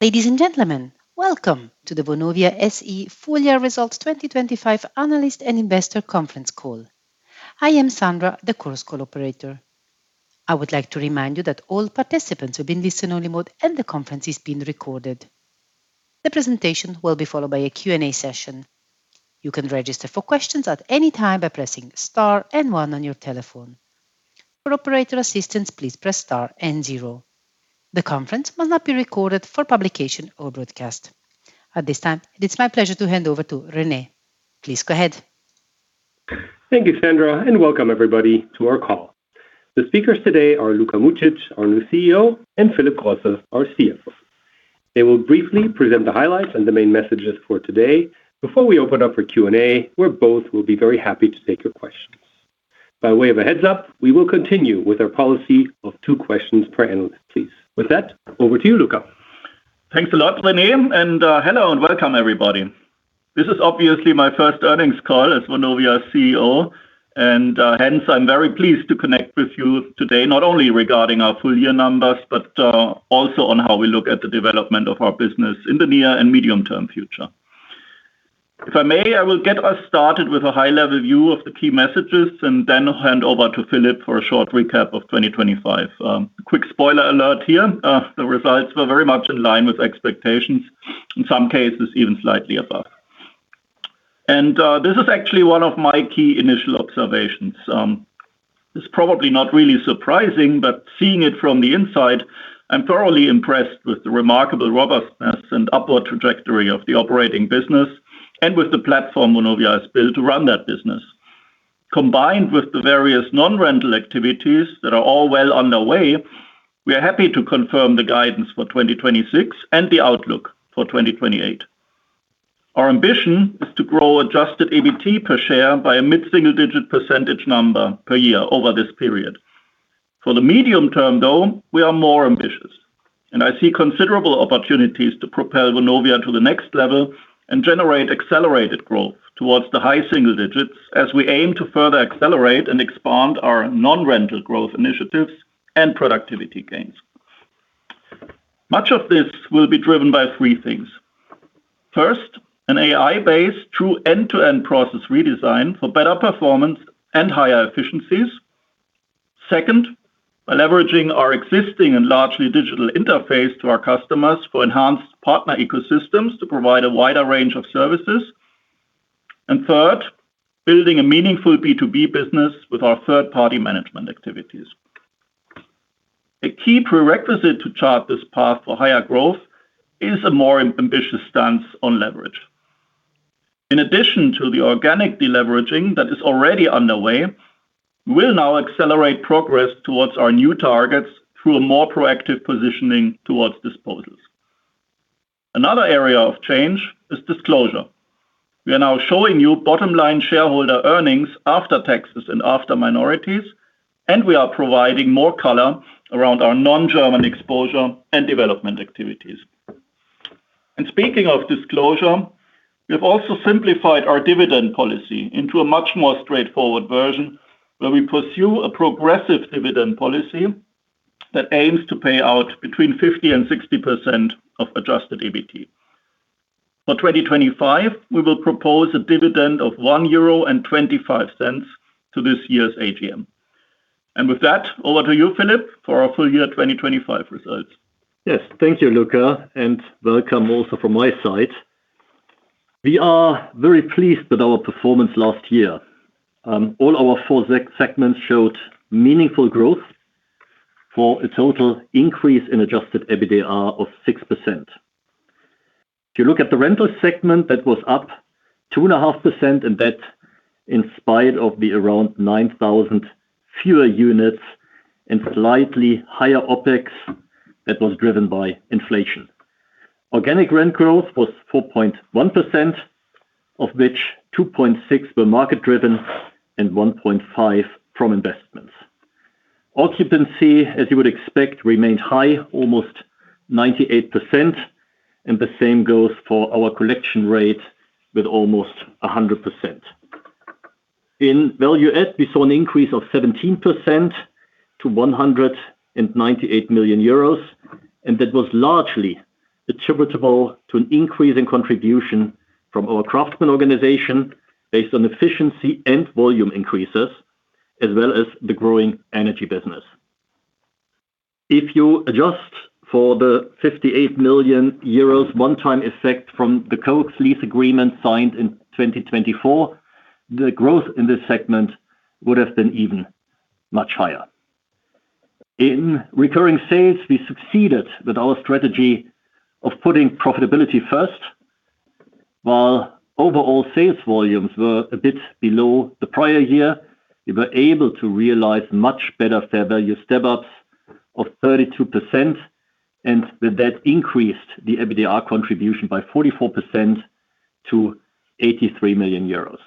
Ladies and gentlemen, welcome to the Vonovia SE Full Year Results 2025 Analyst and Investor Conference Call. I am Sandra, the ChorusCall operator. I would like to remind you that all participants will be in listen only mode, and the conference is being recorded. The presentation will be followed by a Q&A session. You can register for questions at any time by pressing star and one on your telephone. For operator assistance, please press star and zero. The conference must not be recorded for publication or broadcast. At this time, it is my pleasure to hand over to Rene. Please go ahead. Thank you, Sandra, and welcome everybody to our call. The speakers today are Luka Mucic, our new CEO, and Philip Grosse, our CFO. They will briefly present the highlights and the main messages for today before we open up for Q&A, where both will be very happy to take your questions. By way of a heads up, we will continue with our policy of two questions per analyst, please. With that, over to you, Luka. Thanks a lot, Rene, and hello and welcome everybody. This is obviously my first earnings call as Vonovia CEO, and hence I'm very pleased to connect with you today, not only regarding our full year numbers, but also on how we look at the development of our business in the near and medium-term future. If I may, I will get us started with a high level view of the key messages and then hand over to Philip for a short recap of 2025. Quick spoiler alert here. The results were very much in line with expectations, in some cases even slightly above. This is actually one of my key initial observations. It's probably not really surprising, but seeing it from the inside, I'm thoroughly impressed with the remarkable robustness and upward trajectory of the operating business and with the platform Vonovia has built to run that business. Combined with the various non-rental activities that are all well underway, we are happy to confirm the guidance for 2026 and the outlook for 2028. Our ambition is to grow adjusted EBT per share by a mid-single-digit percentage per year over this period. For the medium-term though, we are more ambitious, and I see considerable opportunities to propel Vonovia to the next level and generate accelerated growth towards the high single digits percentage as we aim to further accelerate and expand our non-rental growth initiatives and productivity gains. Much of this will be driven by three things. First, an AI-based true end-to-end process redesign for better performance and higher efficiencies. Second, by leveraging our existing and largely digital interface to our customers for enhanced partner ecosystems to provide a wider range of services. Third, building a meaningful B2B business with our third-party management activities. A key prerequisite to chart this path for higher growth is a more ambitious stance on leverage. In addition to the organic deleveraging that is already underway, we'll now accelerate progress towards our new targets through a more proactive positioning towards disposals. Another area of change is disclosure. We are now showing you bottom line shareholder earnings after taxes and after minorities, and we are providing more color around our non-German exposure and development activities. Speaking of disclosure, we have also simplified our dividend policy into a much more straightforward version where we pursue a progressive dividend policy that aims to pay out between 50% and 60% of adjusted EBT. For 2025, we will propose a dividend of 1.25 euro to this year's AGM. With that, over to you, Philip, for our full year 2025 results. Yes. Thank you, Luka, and welcome also from my side. We are very pleased with our performance last year. All our four segments showed meaningful growth for a total increase in Adjusted EBITDA of 6%. If you look at the rental segment, that was up 2.5%, and that in spite of the around 9,000 fewer units and slightly higher OpEx that was driven by inflation. Organic rent growth was 4.1%, of which 2.6% were market driven and 1.5% from investments. Occupancy, as you would expect, remained high, almost 98%, and the same goes for our collection rate with almost 100%. In value-add, we saw an increase of 17% to 198 million euros, and that was largely attributable to an increase in contribution from our craftsmen organization based on efficiency and volume increases, as well as the growing energy business. If you adjust for the 58 million euros one-time effect from the Coke's lease agreement signed in 2024, the growth in this segment would have been even much higher. In recurring sales, we succeeded with our strategy of putting profitability first. While overall sales volumes were a bit below the prior year, we were able to realize much better fair value step-ups of 32%, and that increased the EBITDA contribution by 44% to 83 million euros.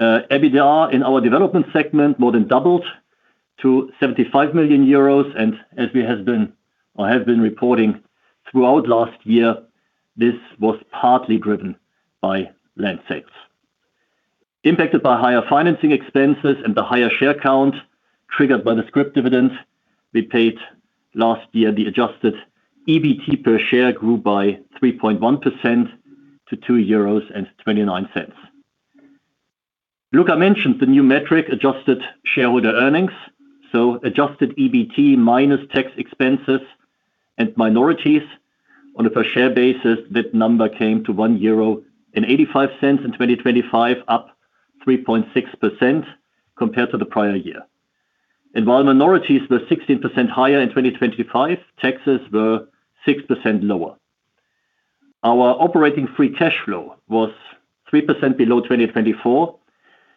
EBITDA in our development segment more than doubled to 75 million euros, and as we have been reporting throughout last year, this was partly driven by land sales. Impacted by higher financing expenses and the higher share count triggered by the scrip dividends we paid last year, the adjusted EBT per share grew by 3.1% to 2.29 euros. Luka mentioned the new metric adjusted shareholder earnings, so adjusted EBT minus tax expenses and minorities. On a per share basis, that number came to 1.85 euro in 2025, up 3.6% compared to the prior year. While minorities were 16% higher in 2025, taxes were 6% lower. Our operating free cash flow was 3% below 2024,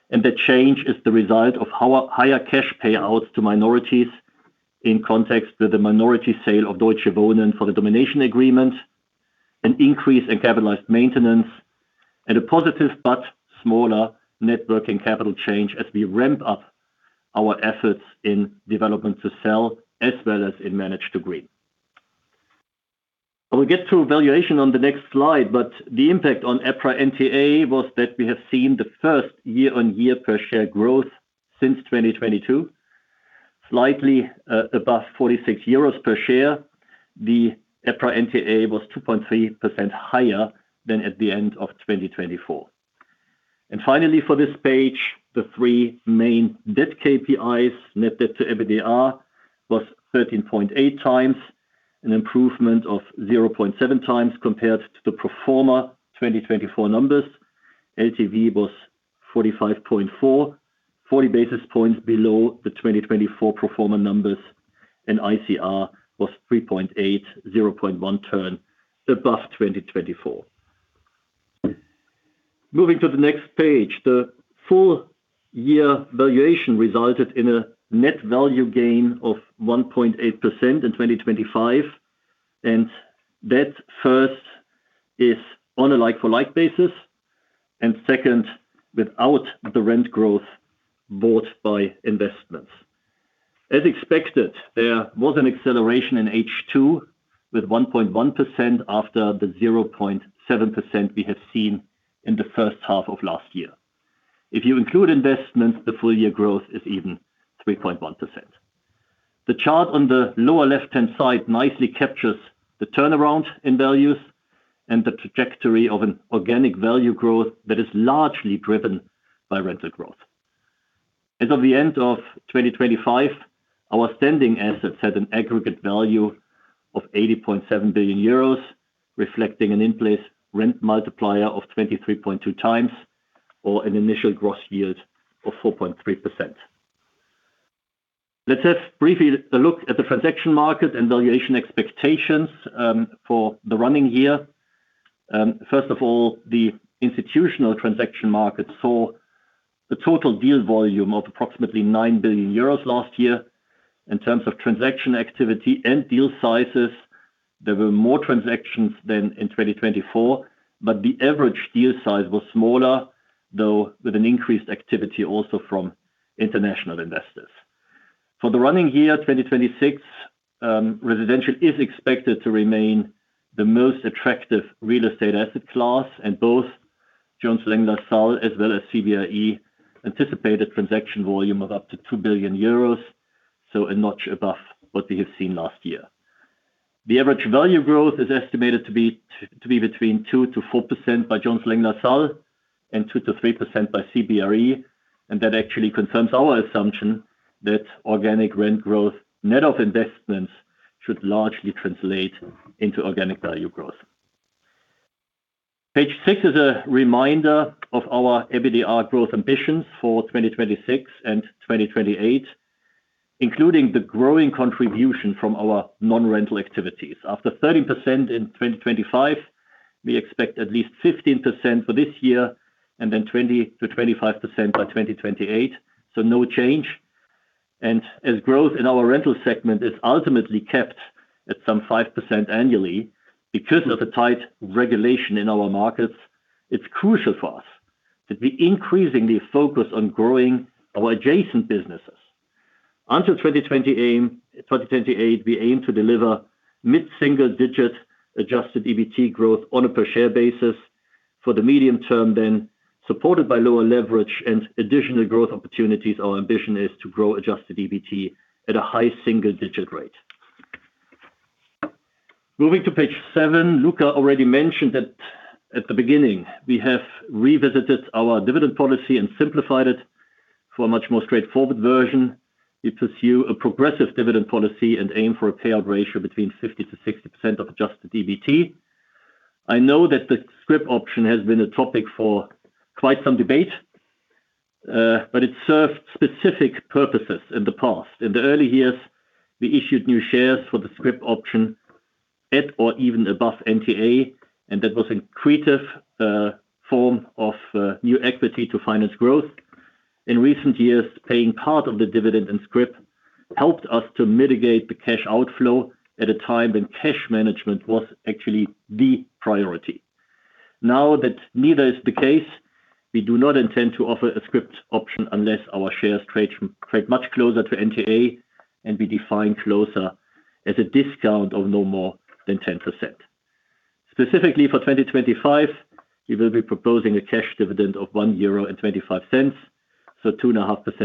and the change is the result of higher cash payouts to minorities in context with the minority sale of Deutsche Wohnen for the domination agreement, an increase in capitalized maintenance, and a positive but smaller net working capital change as we ramp up our efforts in development to sell as well as in Manage to Green. I will get to valuation on the next slide, but the impact on EPRA NTA was that we have seen the first year-on-year per share growth since 2022, slightly above 46 euros per share. The EPRA NTA was 2.3% higher than at the end of 2024. Finally, for this page, the three main debt KPIs. Net debt to EBITDA was 13.8x, an improvement of 0.7x compared to the pro forma 2024 numbers. LTV was 45.4, 40 basis points below the 2024 pro forma numbers, and ICR was 3.8, 0.1 turn above 2024. Moving to the next page, the full year valuation resulted in a net value gain of 1.8% in 2025. That first is on a like-for-like basis, and second, without the rent growth brought by investments. As expected, there was an acceleration in H2 with 1.1% after the 0.7% we have seen in the H1 of last year. If you include investments, the full year growth is even 3.1%. The chart on the lower left-hand side nicely captures the turnaround in values and the trajectory of an organic value growth that is largely driven by rental growth. As of the end of 2025, our standing assets had an aggregate value of 80.7 billion euros, reflecting an in-place rent multiplier of 23.2x or an initial gross yield of 4.3%. Let's have briefly a look at the transaction market and valuation expectations, for the running year. First of all, the institutional transaction market saw the total deal volume of approximately 9 billion euros last year. In terms of transaction activity and deal sizes, there were more transactions than in 2024, but the average deal size was smaller, though, with an increased activity also from international investors. For the running year, 2026, residential is expected to remain the most attractive real estate asset class. Both Jones Lang LaSalle as well as CBRE anticipated transaction volume of up to 2 billion euros, so a notch above what we have seen last year. The average value growth is estimated to be between 2%-4% by Jones Lang LaSalle and 2%-3% by CBRE. That actually confirms our assumption that organic rent growth net of investments should largely translate into organic value growth. Page six is a reminder of our EBITDA growth ambitions for 2026 and 2028, including the growing contribution from our non-rental activities. After 13% in 2025, we expect at least 15% for this year and then 20%-25% by 2028, so no change. As growth in our rental segment is ultimately capped at some 5% annually because of the tight regulation in our markets, it's crucial for us that we increasingly focus on growing our adjacent businesses. Until 2028, we aim to deliver mid-single-digit Adjusted EBT growth on a per share basis. For the medium term then, supported by lower leverage and additional growth opportunities, our ambition is to grow Adjusted EBT at a high single-digit rate. Moving to page seven, Luka already mentioned that at the beginning, we have revisited our dividend policy and simplified it for a much more straightforward version. We pursue a progressive dividend policy and aim for a payout ratio between 50%-60% of Adjusted EBT. I know that the scrip option has been a topic for quite some debate, but it served specific purposes in the past. In the early years, we issued new shares for the scrip option at or even above NTA, and that was a creative form of new equity to finance growth. In recent years, paying part of the dividend in scrip helped us to mitigate the cash outflow at a time when cash management was actually the priority. Now that neither is the case, we do not intend to offer a scrip option unless our shares trade much closer to NTA, and we define closer as a discount of no more than 10%. Specifically for 2025, we will be proposing a cash dividend of 1.25 euro, so 2.5%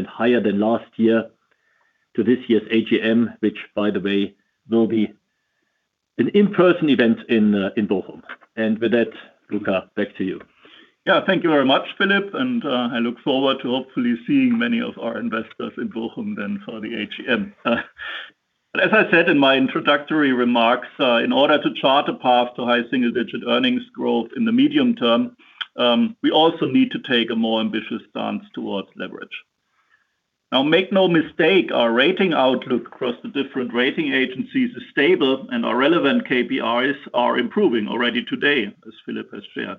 higher than last year to this year's AGM, which by the way, will be an in-person event in Bochum. With that, Luka, back to you. Yeah. Thank you very much, Philip, and I look forward to hopefully seeing many of our investors in Bochum then for the AGM. As I said in my introductory remarks, in order to chart a path to high single-digit earnings growth in the medium term, we also need to take a more ambitious stance towards leverage. Now make no mistake, our rating outlook across the different rating agencies is stable and our relevant KPIs are improving already today, as Philip has shared.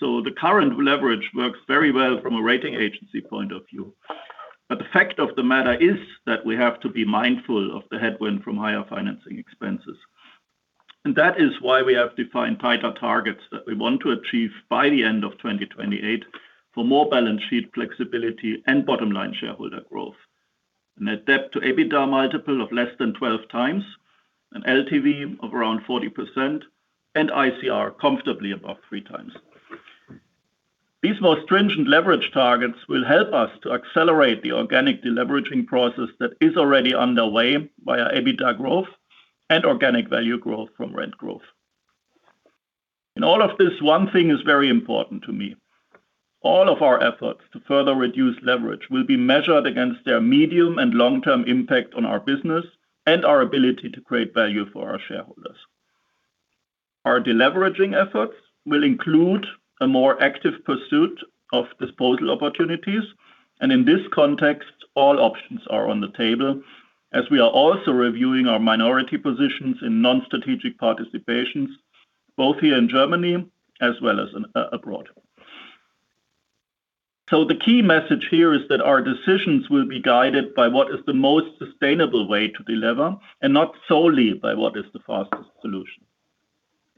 So the current leverage works very well from a rating agency point of view. But the fact of the matter is that we have to be mindful of the headwind from higher financing expenses. That is why we have defined tighter targets that we want to achieve by the end of 2028 for more balance sheet flexibility and bottom line shareholder growth. Net Debt to EBITDA multiple of less than 12x and LTV of around 40% and ICR comfortably above 3x. These more stringent leverage targets will help us to accelerate the organic deleveraging process that is already underway via EBITDA growth and organic value growth from rent growth. In all of this, one thing is very important to me. All of our efforts to further reduce leverage will be measured against their medium and long-term impact on our business and our ability to create value for our shareholders. Our deleveraging efforts will include a more active pursuit of disposal opportunities. In this context, all options are on the table as we are also reviewing our minority positions in non-strategic participations, both here in Germany as well as in abroad. The key message here is that our decisions will be guided by what is the most sustainable way to delever and not solely by what is the fastest solution.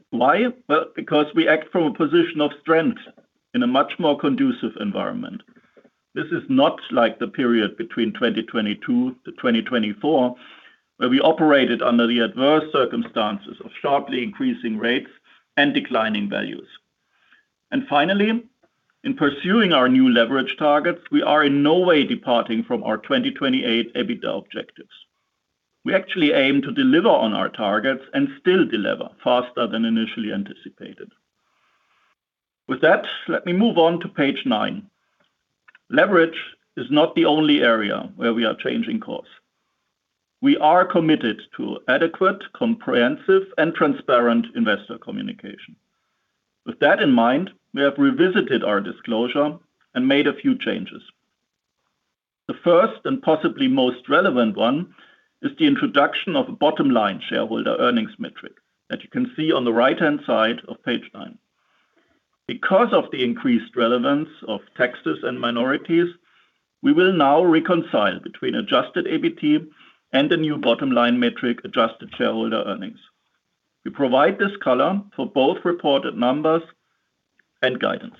Why? Well, because we act from a position of strength in a much more conducive environment. This is not like the period between 2022-2024, where we operated under the adverse circumstances of sharply increasing rates and declining values. Finally, in pursuing our new leverage targets, we are in no way departing from our 2028 EBITDA objectives. We actually aim to deliver on our targets and still delever faster than initially anticipated. With that, let me move on to page nine. Leverage is not the only area where we are changing course. We are committed to adequate, comprehensive and transparent investor communication. With that in mind, we have revisited our disclosure and made a few changes. The first and possibly most relevant one is the introduction of a bottom line shareholder earnings metric that you can see on the right-hand side of page nine. Because of the increased relevance of taxes and minorities, we will now reconcile between Adjusted EBT and the new bottom line metric Adjusted Shareholder Earnings. We provide this column for both reported numbers and guidance.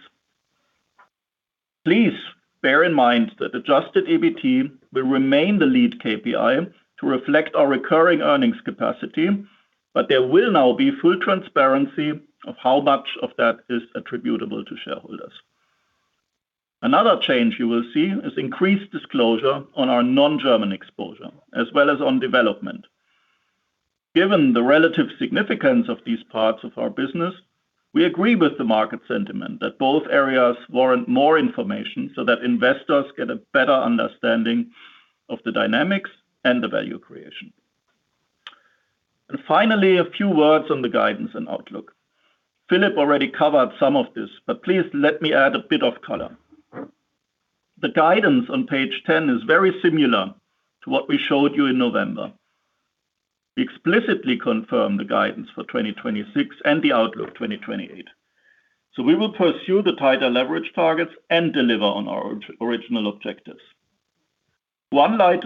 Please bear in mind that Adjusted EBT will remain the lead KPI to reflect our recurring earnings capacity, but there will now be full transparency of how much of that is attributable to shareholders. Another change you will see is increased disclosure on our non-German exposure, as well as on development. Given the relative significance of these parts of our business, we agree with the market sentiment that both areas warrant more information so that investors get a better understanding of the dynamics and the value creation. Finally, a few words on the guidance and outlook. Philip already covered some of this, but please let me add a bit of color. The guidance on page 10 is very similar to what we showed you in November. We explicitly confirmed the guidance for 2026 and the outlook 2028. We will pursue the tighter leverage targets and deliver on our original objectives. One line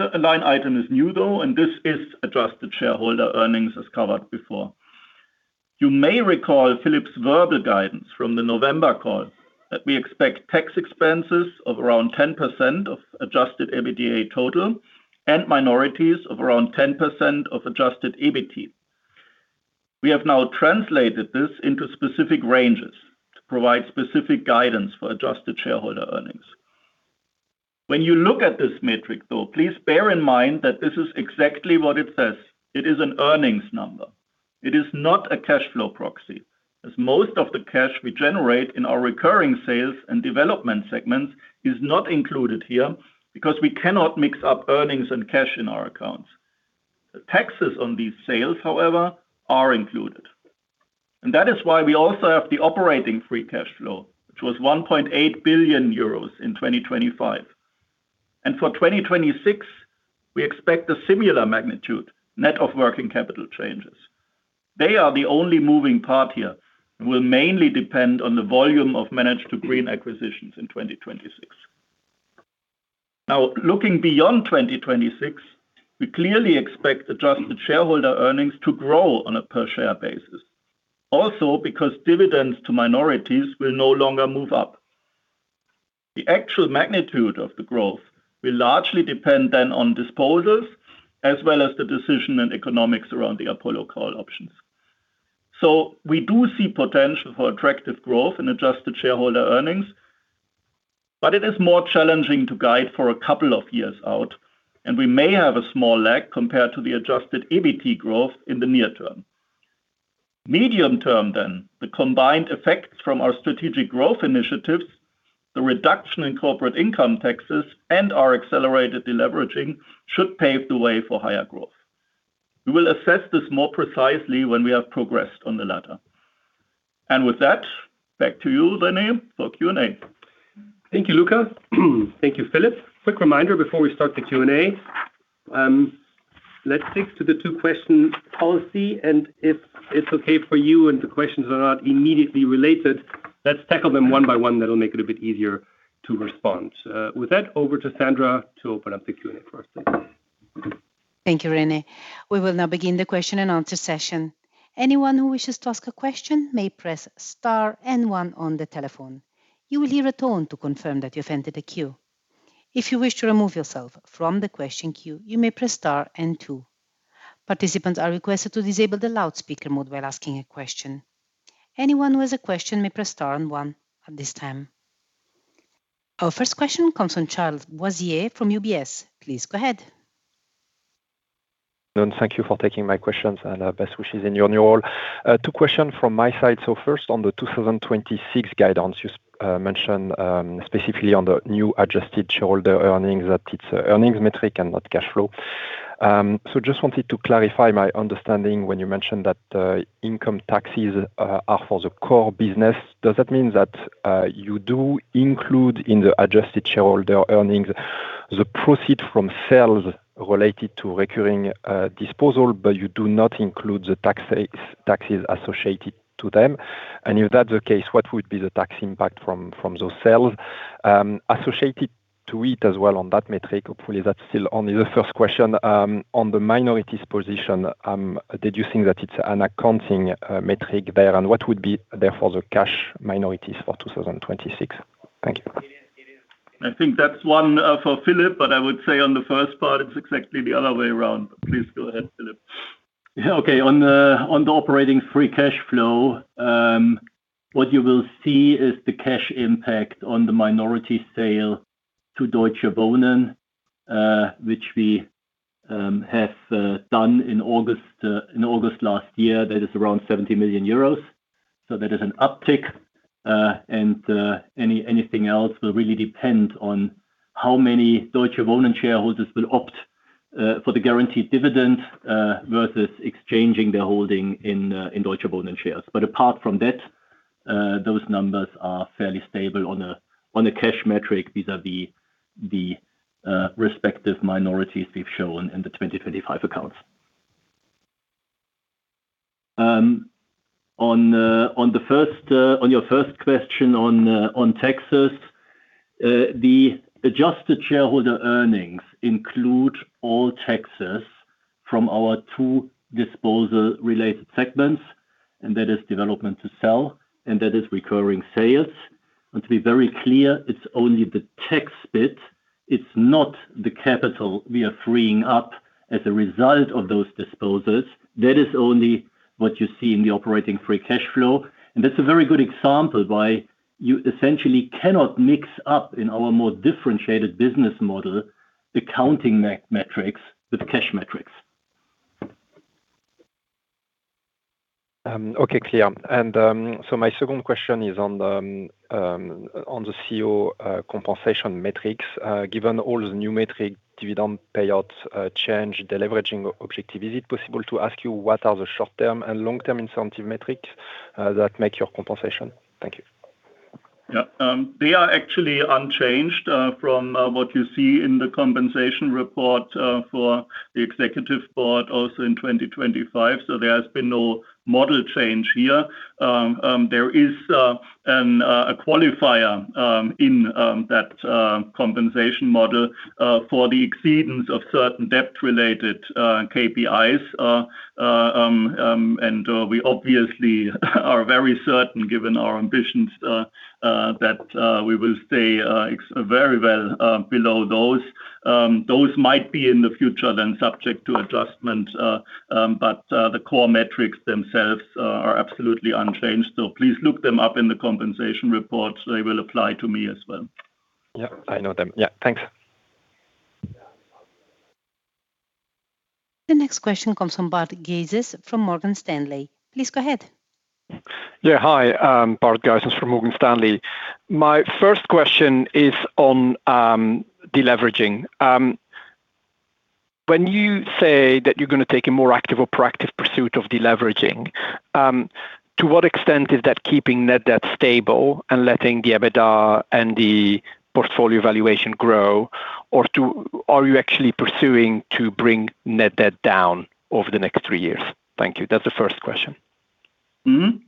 item is new though, and this is Adjusted Shareholder Earnings, as covered before. You may recall Philip's verbal guidance from the November call that we expect tax expenses of around 10% of Adjusted EBITDA total and minorities of around 10% of Adjusted EBT. We have now translated this into specific ranges to provide specific guidance for Adjusted Shareholder Earnings. When you look at this metric, though, please bear in mind that this is exactly what it says. It is an earnings number. It is not a cash flow proxy, as most of the cash we generate in our recurring sales and development segments is not included here because we cannot mix up earnings and cash in our accounts. The taxes on these sales, however, are included. That is why we also have the Operating Free Cash Flow, which was 1.8 billion euros in 2025. For 2026, we expect a similar magnitude net of working capital changes. They are the only moving part here, and will mainly depend on the volume of Manage to Green acquisitions in 2026. Now, looking beyond 2026, we clearly expect Adjusted Shareholder Earnings to grow on a per share basis. Also because dividends to minorities will no longer move up. The actual magnitude of the growth will largely depend then on disposals as well as the decision and economics around the Apollo call options. We do see potential for attractive growth in Adjusted Shareholder Earnings, but it is more challenging to guide for a couple of years out, and we may have a small lag compared to the Adjusted EBT growth in the near term. Medium term, the combined effects from our strategic growth initiatives, the reduction in corporate income taxes and our accelerated deleveraging should pave the way for higher growth. We will assess this more precisely when we have progressed on the latter. With that, back to you, Rene, for Q&A. Thank you, Luka. Thank you, Philip. Quick reminder before we start the Q&A, let's stick to the two-question policy, and if it's okay for you and the questions are not immediately related, let's tackle them one by one. That'll make it a bit easier to respond. With that, over to Sandra to open up the Q&A for us. Thank you. Thank you, Rene. We will now begin the question and answer session. Anyone who wishes to ask a question may press star and one on the telephone. You will hear a tone to confirm that you've entered a queue. If you wish to remove yourself from the question queue, you may press star and two. Participants are requested to disable the loudspeaker mode while asking a question. Anyone who has a question may press star and one at this time. Our first question comes from Charles Boissier from UBS. Please go ahead. Thank you for taking my questions, and best wishes in your new role. Two questions from my side. First, on the 2026 guidance you mentioned, specifically on the new Adjusted Shareholder Earnings, that it's earnings metric and not cash flow. Just wanted to clarify my understanding when you mentioned that, income taxes are for the core business. Does that mean that you do include in the Adjusted Shareholder Earnings the proceeds from sales related to recurring disposal, but you do not include the taxes associated to them? And if that's the case, what would be the tax impact from those sales? Associated to it as well on that metric, hopefully that's still only the first question, on the minorities position, do you think that it's an accounting metric there? What would be therefore the cash minorities for 2026? Thank you. I think that's one for Philip, but I would say on the first part, it's exactly the other way around. Please go ahead, Philip. Yeah. Okay. On the operating free cash flow, what you will see is the cash impact on the minority sale to Deutsche Wohnen, which we have done in August last year. That is around 70 million euros. That is an uptick. Anything else will really depend on how many Deutsche Wohnen shareholders will opt for the guaranteed dividend versus exchanging their holding in Deutsche Wohnen shares. Apart from that, those numbers are fairly stable on a cash metric vis-a-vis the respective minorities we've shown in the 2025 accounts. On your first question on taxes, the Adjusted Shareholder Earnings include all taxes from our two disposal-related segments, and that is development to sell, and that is recurring sales. To be very clear, it's only the tax bit. It's not the capital we are freeing up as a result of those disposals. That is only what you see in the Operating Free Cash Flow. That's a very good example why you essentially cannot mix up in our more differentiated business model, the accounting metrics with cash metrics. Okay, clear. My second question is on the CEO compensation metrics. Given all the new metric dividend payout change, deleveraging objective, is it possible to ask you what are the short-term and long-term incentive metrics that make your compensation? Thank you. Yeah. They are actually unchanged from what you see in the compensation report for the executive board also in 2025. There has been no model change here. There is a qualifier in that compensation model for the exceedance of certain debt-related KPIs. We obviously are very certain given our ambitions that we will stay very well below those. Those might be in the future then subject to adjustment, but the core metrics themselves are absolutely unchanged. Please look them up in the compensation report. They will apply to me as well. Yeah, I know them. Yeah. Thanks. The next question comes from Bart Gysens from Morgan Stanley. Please go ahead. Yeah. Hi, Bart Gysens from Morgan Stanley. My first question is on deleveraging. When you say that you're gonna take a more active or proactive pursuit of deleveraging, to what extent is that keeping net debt stable and letting the EBITDA and the portfolio valuation grow? Or are you actually pursuing to bring net debt down over the next three years? Thank you. That's the first question.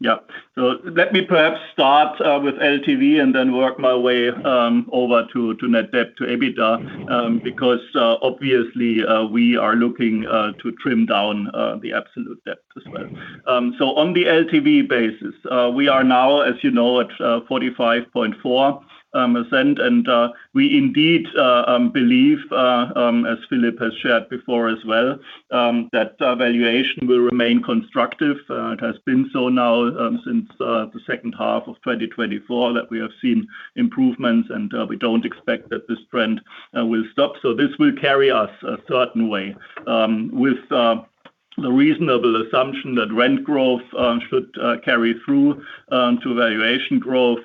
Yeah. Let me perhaps start with LTV and then work my way over to net debt to EBITDA, because obviously we are looking to trim down the absolute debt as well. On the LTV basis, we are now, as you know, at 45.4%, and we indeed believe, as Philip has shared before as well, that valuation will remain constructive. It has been so now since the H2 of 2024 that we have seen improvements, and we don't expect that this trend will stop. This will carry us a certain way. With a reasonable assumption that rent growth should carry through to valuation growth,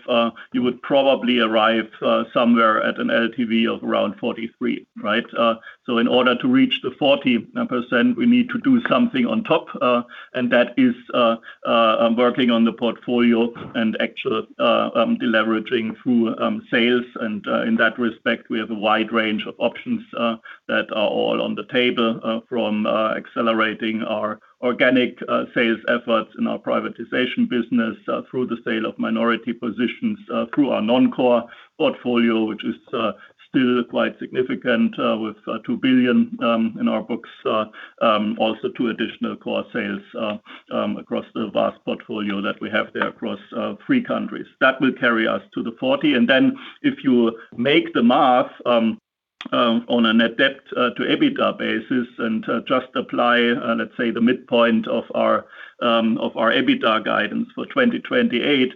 you would probably arrive somewhere at an LTV of around 43%, right? In order to reach the 40%, we need to do something on top, and that is working on the portfolio and actual deleveraging through sales. In that respect, we have a wide range of options that are all on the table, from accelerating our organic sales efforts in our privatization business through the sale of minority positions through our non-core portfolio, which is still quite significant with 2 billion in our books. Also two additional core sales across the vast portfolio that we have there across three countries. That will carry us to the 40. Then if you do the math on a net debt to EBITDA basis and just apply let's say the midpoint of our EBITDA guidance for 2028,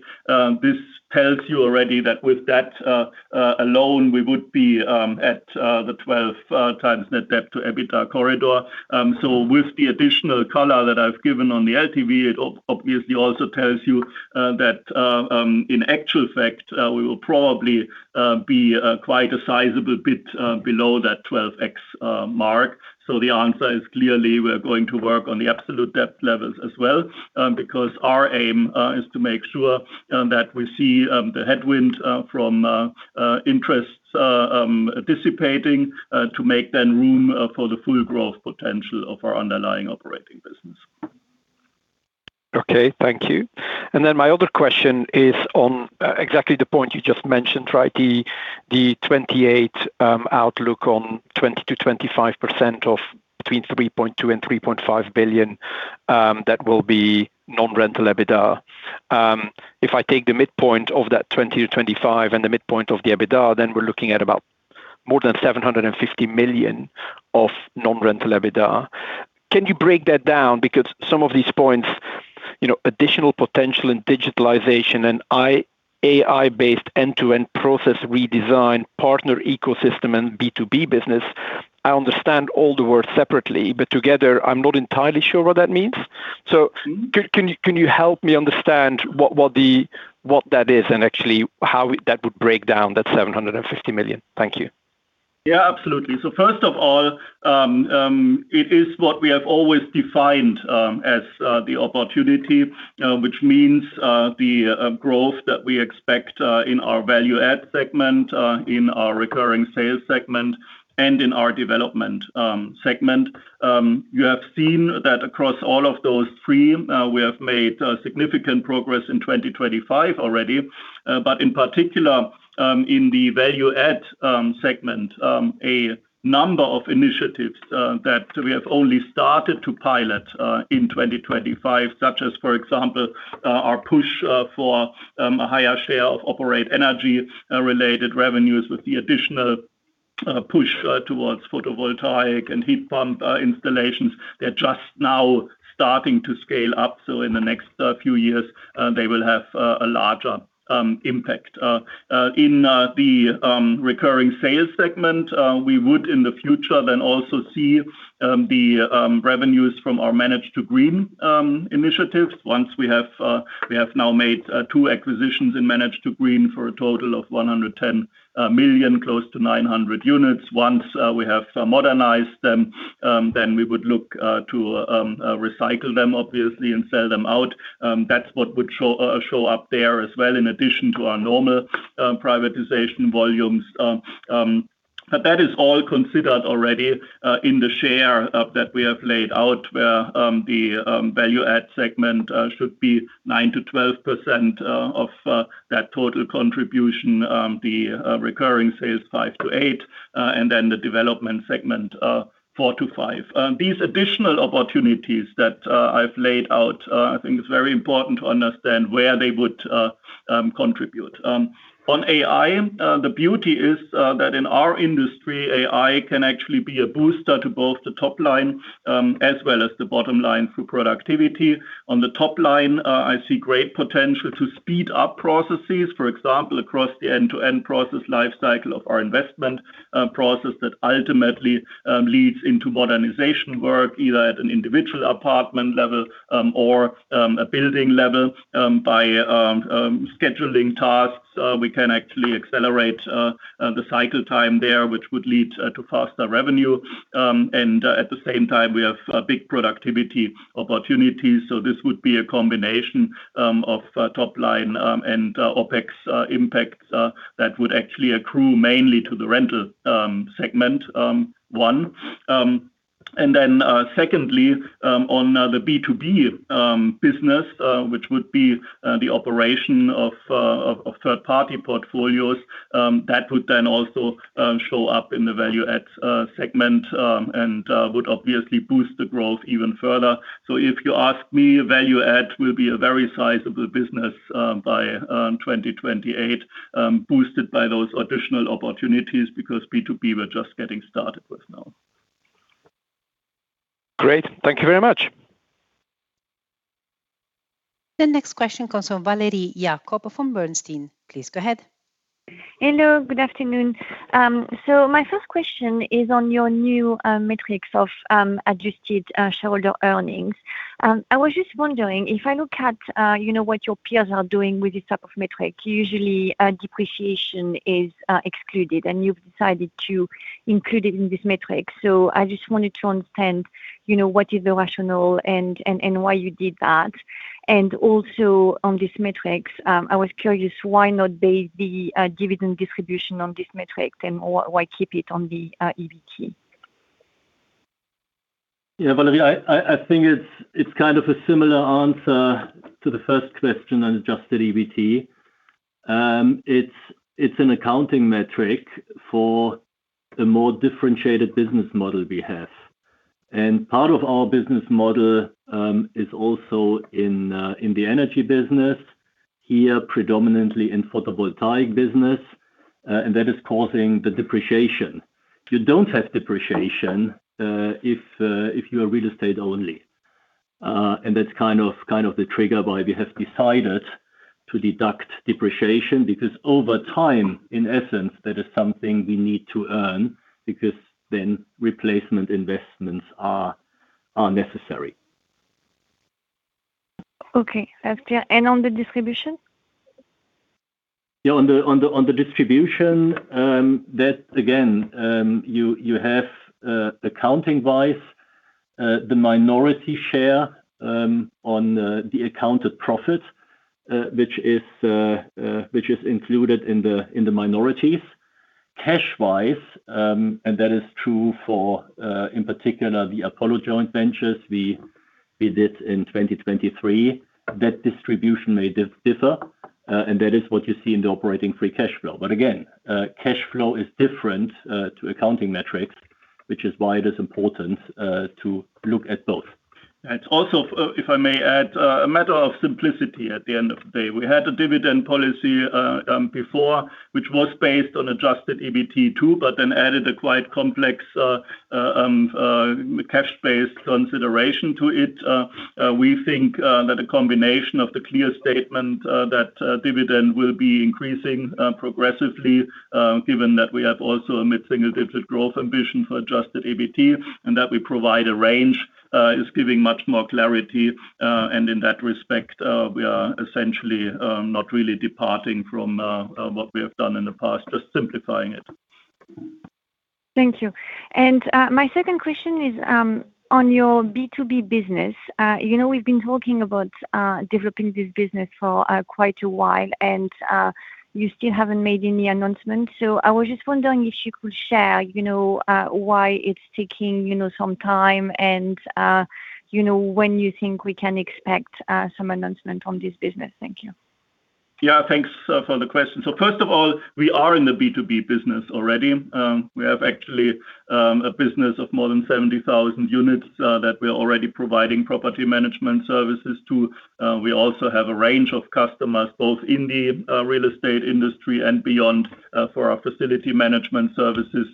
this tells you already that with that alone, we would be at the 12x net debt to EBITDA corridor. With the additional color that I've given on the LTV, it obviously also tells you that in actual fact we will probably be quite a sizable bit below that 12x mark. The answer is clearly we're going to work on the absolute debt levels as well, because our aim is to make sure that we see the headwind from interests dissipating to make then room for the full growth potential of our underlying operating business. Okay. Thank you. Then my other question is on exactly the point you just mentioned, right? The 28 outlook on 20%-25% of between 3.2 billion and 3.5 billion that will be non-rental EBITDA. If I take the midpoint of that 20%-25% and the midpoint of the EBITDA, then we're looking at about more than 750 million of non-rental EBITDA. Can you break that down? Because some of these points, you know, additional potential in digitalization and AI-based end-to-end process redesign, partner ecosystem, and B2B business, I understand all the words separately, but together I'm not entirely sure what that means. Can you help me understand what that is and actually how that would break down that 750 million? Thank you. Yeah, absolutely. First of all, it is what we have always defined as the opportunity, which means the growth that we expect in our value-add segment, in our recurring sales segment, and in our development segment. You have seen that across all of those three, we have made significant progress in 2025 already. In particular, in the value-add segment, a number of initiatives that we have only started to pilot in 2025, such as, for example, our push for a higher share of operate energy related revenues with the additional push towards photovoltaic and heat pump installations. They're just now starting to scale up, so in the next few years, they will have a larger impact. In the recurring sales segment, we would in the future then also see the revenues from our Manage to Green initiatives. Once we have now made two acquisitions in Manage to Green for a total of 110 million, close to 900 units. Once we have modernized them, then we would look to recycle them obviously and sell them out. That's what would show up there as well in addition to our normal privatization volumes. That is all considered already in the share of that we have laid out, where the value-add segment should be 9%-12% of that total contribution, the recurring sales 5%-8%, and then the development segment 4%-5%. These additional opportunities that I've laid out, I think it's very important to understand where they would contribute. On AI, the beauty is that in our industry, AI can actually be a booster to both the top line as well as the bottom line through productivity. On the top line, I see great potential to speed up processes. For example, across the end-to-end process life cycle of our investment process that ultimately leads into modernization work, either at an individual apartment level or a building level by scheduling tasks, we can actually accelerate the cycle time there, which would lead to faster revenue. At the same time we have big productivity opportunities. This would be a combination of top line and OpEx impacts that would actually accrue mainly to the rental segment one. Then, secondly, on the B2B business, which would be the operation of third-party portfolios, that would then also show up in the value-add segment and would obviously boost the growth even further. If you ask me, value-add will be a very sizable business by 2028, boosted by those additional opportunities because B2B we're just getting started with now. Great. Thank you very much. The next question comes from Valérie Jacob from Bernstein. Please go ahead. Hello, good afternoon. My first question is on your new metrics of adjusted shareholder earnings. I was just wondering, if I look at you know, what your peers are doing with this type of metric, usually depreciation is excluded, and you've decided to include it in this metric. I just wanted to understand you know, what is the rationale and why you did that. Also on this metrics, I was curious why not base the dividend distribution on this metric then, or why keep it on the EBT? Yeah, Valérie, I think it's kind of a similar answer to the first question on adjusted EBT. It's an accounting metric for the more differentiated business model we have. Part of our business model is also in the energy business. Here predominantly in photovoltaic business, and that is causing the depreciation. You don't have depreciation if you are real estate only. That's kind of the trigger why we have decided to deduct depreciation because over time, in essence, that is something we need to earn because then replacement investments are necessary. Okay. That's clear. On the distribution? Yeah, on the distribution, that again, you have accounting-wise the minority share on the accounted profit, which is included in the minorities. Cash-wise, that is true for, in particular the Apollo joint ventures we did in 2023, that distribution may differ, and that is what you see in the Operating Free Cash Flow. Again, cash flow is different to accounting metrics, which is why it is important to look at both. Also, if I may add, a matter of simplicity at the end of the day. We had a dividend policy before, which was based on Adjusted EBT too, but then added a quite complex cash-based consideration to it. We think that a combination of the clear statement that dividend will be increasing progressively, given that we have also a mid-single digit growth ambition for Adjusted EBT and that we provide a range, is giving much more clarity. In that respect, we are essentially not really departing from what we have done in the past, just simplifying it. Thank you. My second question is on your B2B business. You know we've been talking about developing this business for quite a while, and you still haven't made any announcement. I was just wondering if you could share, you know, why it's taking, you know, some time and, you know, when you think we can expect some announcement on this business. Thank you. Yeah, thanks, for the question. First of all, we are in the B2B business already. We have actually a business of more than 70,000 units that we are already providing property management services to. We also have a range of customers both in the real estate industry and beyond for our facility management services.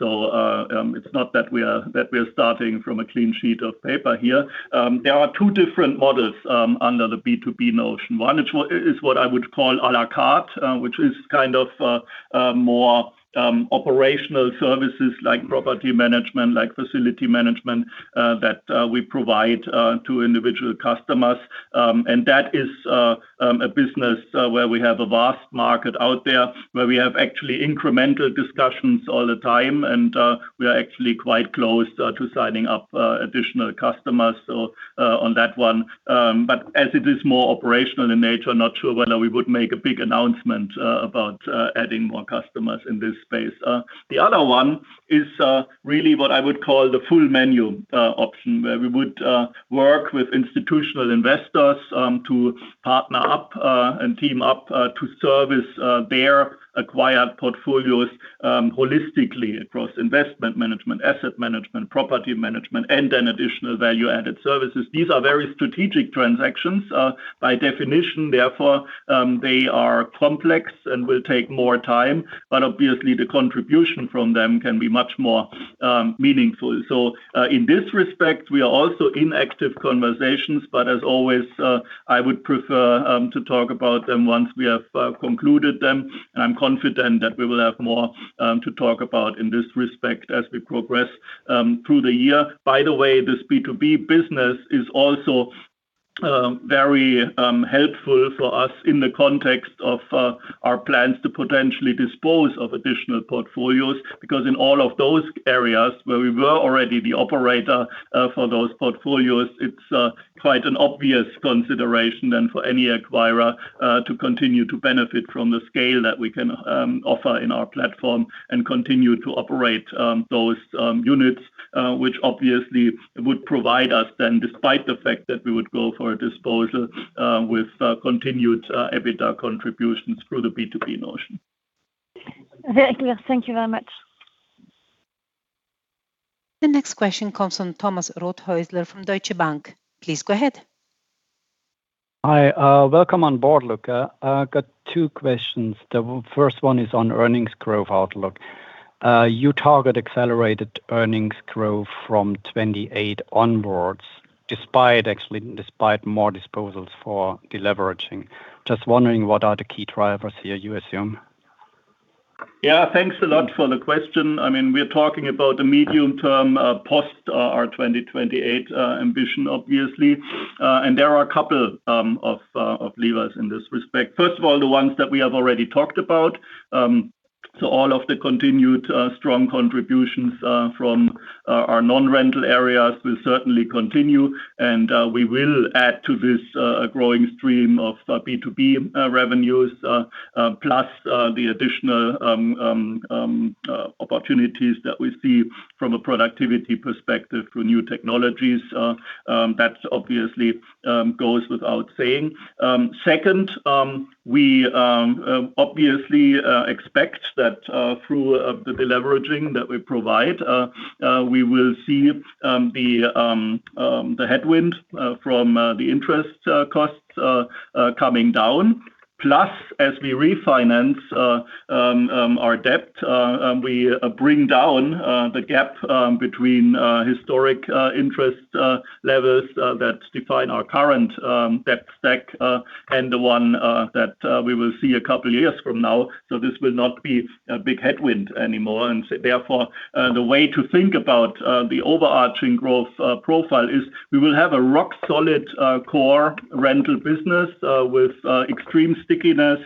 It's not that we are starting from a clean sheet of paper here. There are two different models under the B2B notion. One is what I would call à la carte, which is kind of more operational services like property management, like facility management that we provide to individual customers. That is a business where we have a vast market out there, where we have actually incremental discussions all the time, and we are actually quite close to signing up additional customers, so on that one. As it is more operational in nature, not sure whether we would make a big announcement about adding more customers in this space. The other one is really what I would call the full menu option, where we would work with institutional investors to partner up and team up to service their acquired portfolios holistically across investment management, asset management, property management, and then additional value added services. These are very strategic transactions, by definition, therefore, they are complex and will take more time, but obviously the contribution from them can be much more meaningful. In this respect, we are also in active conversations, but as always, I would prefer to talk about them once we have concluded them. I'm confident that we will have more to talk about in this respect as we progress through the year. By the way, this B2B business is also very helpful for us in the context of our plans to potentially dispose of additional portfolios. Because in all of those areas where we were already the operator, for those portfolios, it's quite an obvious consideration then for any acquirer, to continue to benefit from the scale that we can offer in our platform and continue to operate those units, which obviously would provide us then, despite the fact that we would go for a disposal, with continued EBITDA contributions through the B2B notion. Very clear. Thank you very much. The next question comes from Thomas Rothäusler from Deutsche Bank. Please go ahead. Hi, welcome on board, Luka. I've got two questions. The first one is on earnings growth outlook. You target accelerated earnings growth from 2028 onwards, despite more disposals for deleveraging. Just wondering what are the key drivers here you assume? Yeah, thanks a lot for the question. I mean, we're talking about the medium term post our 2028 ambition, obviously. There are a couple of levers in this respect. First of all, the ones that we have already talked about. All of the continued strong contributions from our non-rental areas will certainly continue, and we will add to this growing stream of B2B revenues plus the additional opportunities that we see from a productivity perspective through new technologies. That obviously goes without saying. We obviously expect that through the deleveraging that we provide we will see the headwind from the interest costs coming down. Plus, as we refinance our debt, we bring down the gap between historic interest levels that define our current debt stack and the one that we will see a couple of years from now. This will not be a big headwind anymore. Therefore, the way to think about the overarching growth profile is we will have a rock solid core rental business with extreme stickiness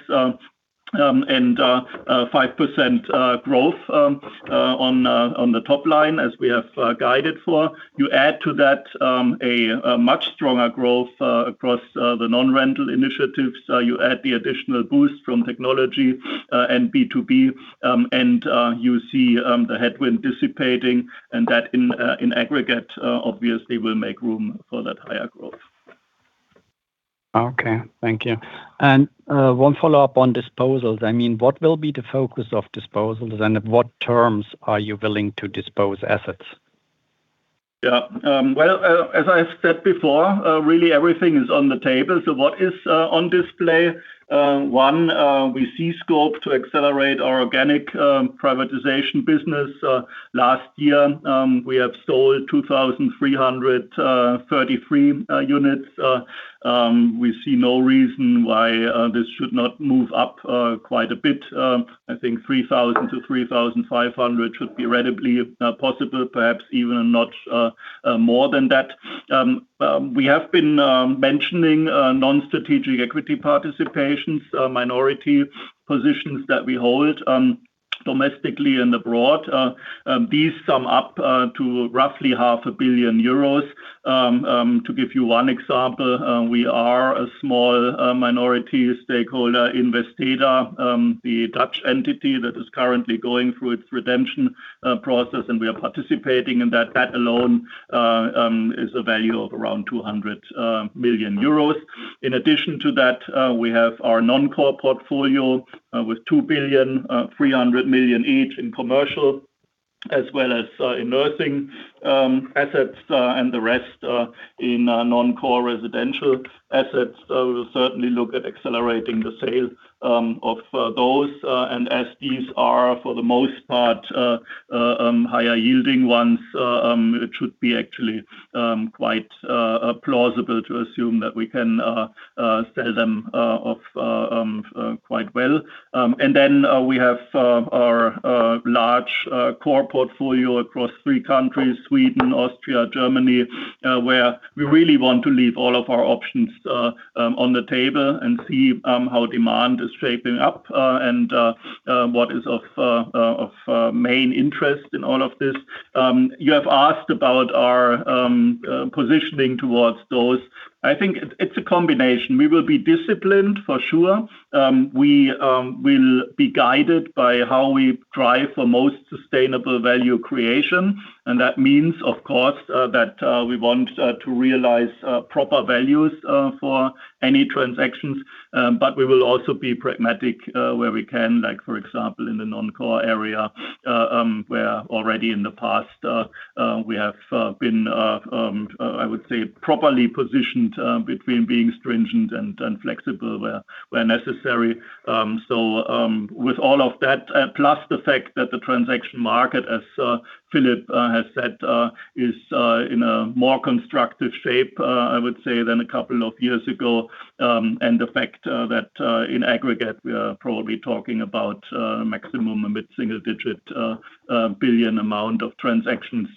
and 5% growth on the top line as we have guided for. You add to that a much stronger growth across the non-rental initiatives. You add the additional boost from technology, and B2B, and you see the headwind dissipating, and that in aggregate obviously will make room for that higher growth. Okay. Thank you. One follow-up on disposals. I mean, what will be the focus of disposals, and at what terms are you willing to dispose assets? Yeah. Well, as I said before, really everything is on the table. What is on display? One, we see scope to accelerate our organic privatization business. Last year, we have sold 2,333 units. We see no reason why this should not move up quite a bit. I think 3,000 units-3,500 units should be readily possible, perhaps even a notch more than that. We have been mentioning non-strategic equity participations, minority positions that we hold, domestically and abroad. These sum up to roughly 0.5 billion euros. To give you one example, we are a small minority stakeholder in Vesteda, the Dutch entity that is currently going through its redemption process, and we are participating in that. That alone is a value of around 200 million euros. In addition to that, we have our non-core portfolio with 2.3 billion each in commercial as well as in nursing assets, and the rest in non-core residential assets. We'll certainly look at accelerating the sale of those. As these are for the most part higher yielding ones, it should be actually quite plausible to assume that we can sell them off quite well. We have our large core portfolio across three countries, Sweden, Austria, Germany, where we really want to leave all of our options on the table and see how demand is shaping up, and what is of main interest in all of this. You have asked about our positioning towards those. I think it's a combination. We will be disciplined for sure. We will be guided by how we drive for most sustainable value creation. That means, of course, that we want to realize proper values for any transactions. We will also be pragmatic where we can, like, for example, in the non-core area, where already in the past we have been, I would say, properly positioned between being stringent and flexible where necessary. With all of that, plus the fact that the transaction market, as Philip has said, is in a more constructive shape, I would say, than a couple of years ago, and the fact that, in aggregate, we are probably talking about maximum mid-single digit billion euros amount of transactions,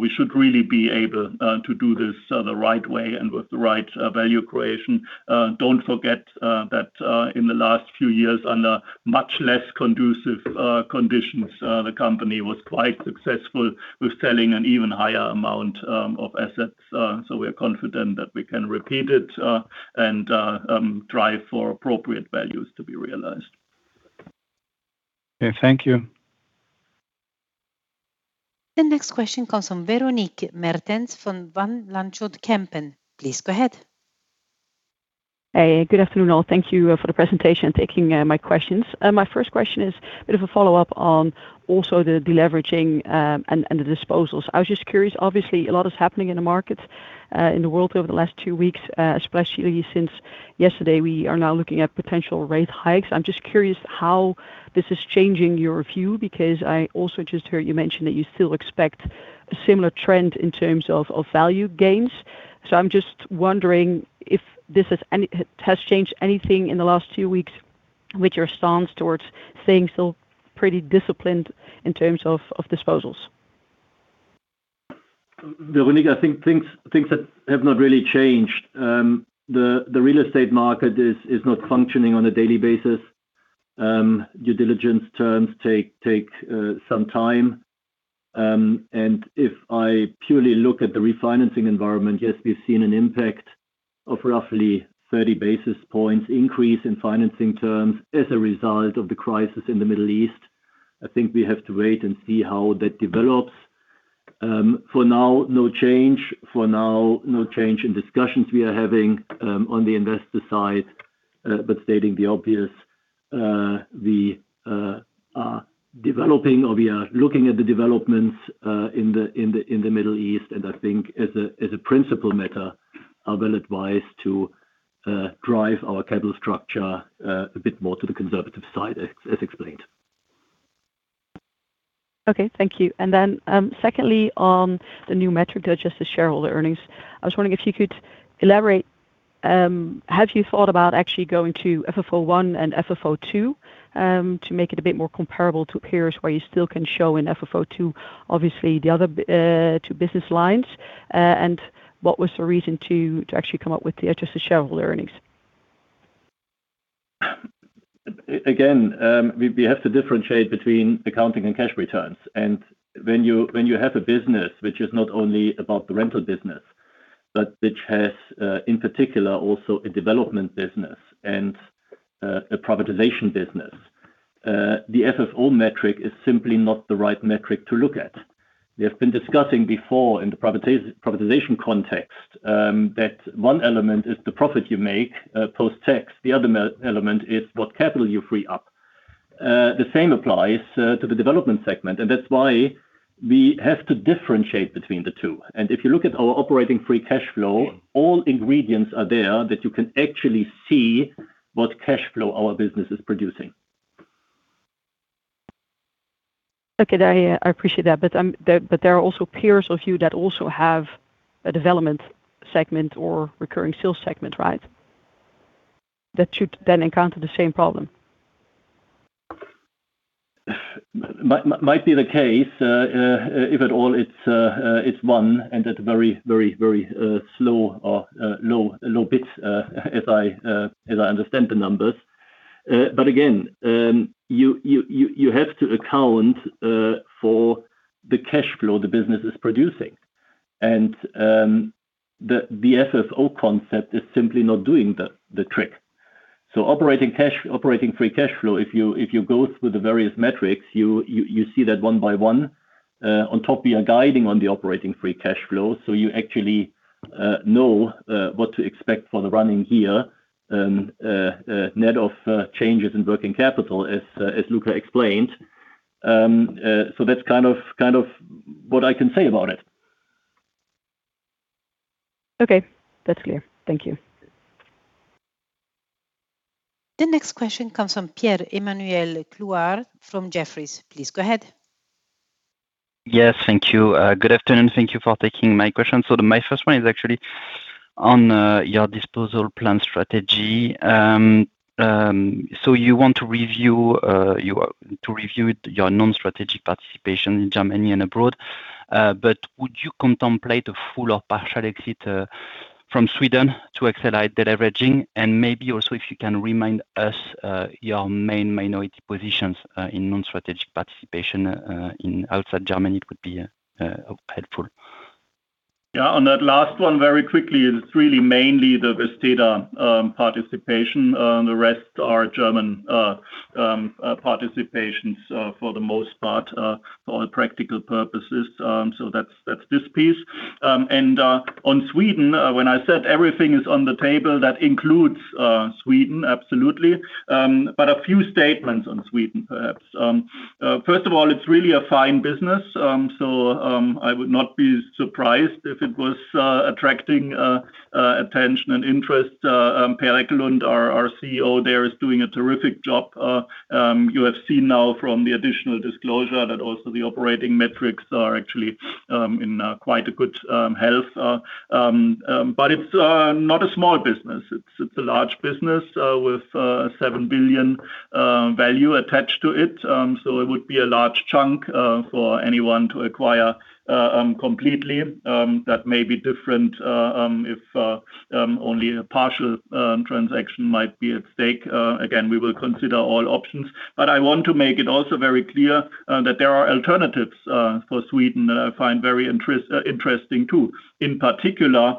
we should really be able to do this the right way and with the right value creation. Don't forget that in the last few years, under much less conducive conditions, the company was quite successful with selling an even higher amount of assets. We are confident that we can repeat it and drive for appropriate values to be realized. Okay. Thank you. The next question comes from Veronique Meertens from Van Lanschot Kempen. Please go ahead. Hey, good afternoon all. Thank you for the presentation and taking my questions. My first question is a bit of a follow-up on also the deleveraging and the disposals. I was just curious. Obviously, a lot is happening in the markets in the world over the last two weeks, especially since yesterday. We are now looking at potential rate hikes. I'm just curious how this is changing your view, because I also just heard you mention that you still expect a similar trend in terms of value gains. I'm just wondering if this has changed anything in the last two weeks with your stance towards staying still pretty disciplined in terms of disposals. Veronique, I think things that have not really changed. The real estate market is not functioning on a daily basis. Due diligence terms take some time. If I purely look at the refinancing environment, yes, we've seen an impact of roughly 30 basis points increase in financing terms as a result of the crisis in the Middle East. I think we have to wait and see how that develops. For now, no change in discussions we are having on the investor side. Stating the obvious, we are developing or we are looking at the developments in the Middle East and I think as a principal matter, are well advised to drive our capital structure a bit more to the conservative side as explained. Okay. Thank you. Secondly, on the new metric that adjusts the shareholder earnings, I was wondering if you could elaborate. Have you thought about actually going to FFO one and FFO two to make it a bit more comparable to peers where you still can show an FFO two, obviously the other two business lines, and what was the reason to actually come up with the Adjusted Shareholder Earnings? Again, we have to differentiate between accounting and cash returns. When you have a business, which is not only about the rental business, but which has, in particular also a development business and a privatization business, the FFO metric is simply not the right metric to look at. We have been discussing before in the privatization context, that one element is the profit you make, post-tax. The other element is what capital you free up. The same applies to the development segment, and that's why we have to differentiate between the two. If you look at our operating free cash flow, all ingredients are there that you can actually see what cash flow our business is producing. Okay. I appreciate that. There are also peers of you that also have a development segment or recurring sales segment, right? That should then encounter the same problem. Might be the case. If at all it's one and at very slow or low bit, as I understand the numbers. Again, you have to account for the cash flow the business is producing. The FFO concept is simply not doing the trick. Operating free cash flow, if you go through the various metrics, you see that one by one, on top we are guiding on the operating free cash flow, so you actually know what to expect for the running year, net of changes in working capital as Luka explained. That's kind of what I can say about it. Okay. That's clear. Thank you. The next question comes from Pierre-Emmanuel Clouard from Jefferies. Please go ahead. Yes. Thank you. Good afternoon. Thank you for taking my question. My first one is actually on your disposal plan strategy. You want to review your non-strategic participation in Germany and abroad. But would you contemplate a full or partial exit from Sweden to accelerate deleveraging? Maybe also if you can remind us your main minority positions in non-strategic participation outside Germany would be helpful. Yeah. On that last one, very quickly, it's really mainly the Vesteda participation. The rest are German participations for the most part, for all practical purposes. That's this piece. On Sweden, when I said everything is on the table, that includes Sweden, absolutely. A few statements on Sweden, perhaps. First of all, it's really a fine business. I would not be surprised if it was attracting attention and interest. Svein Erik Lilleland, our CEO there is doing a terrific job. You have seen now from the additional disclosure that also the operating metrics are actually in quite a good health. It's not a small business. It's a large business with 7 billion value attached to it. So it would be a large chunk for anyone to acquire completely. That may be different if only a partial transaction might be at stake. Again, we will consider all options. I want to make it also very clear that there are alternatives for Sweden that I find very interesting too. In particular,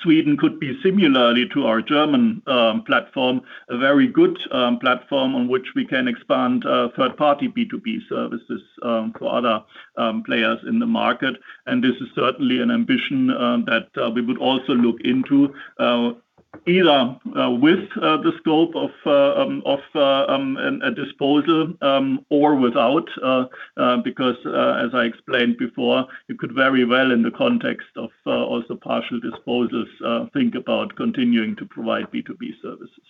Sweden could be similarly to our German platform a very good platform on which we can expand third-party B2B services to other players in the market. This is certainly an ambition that we would also look into. Either with the scope of a disposal or without, because as I explained before, you could very well in the context of also partial disposals think about continuing to provide B2B services.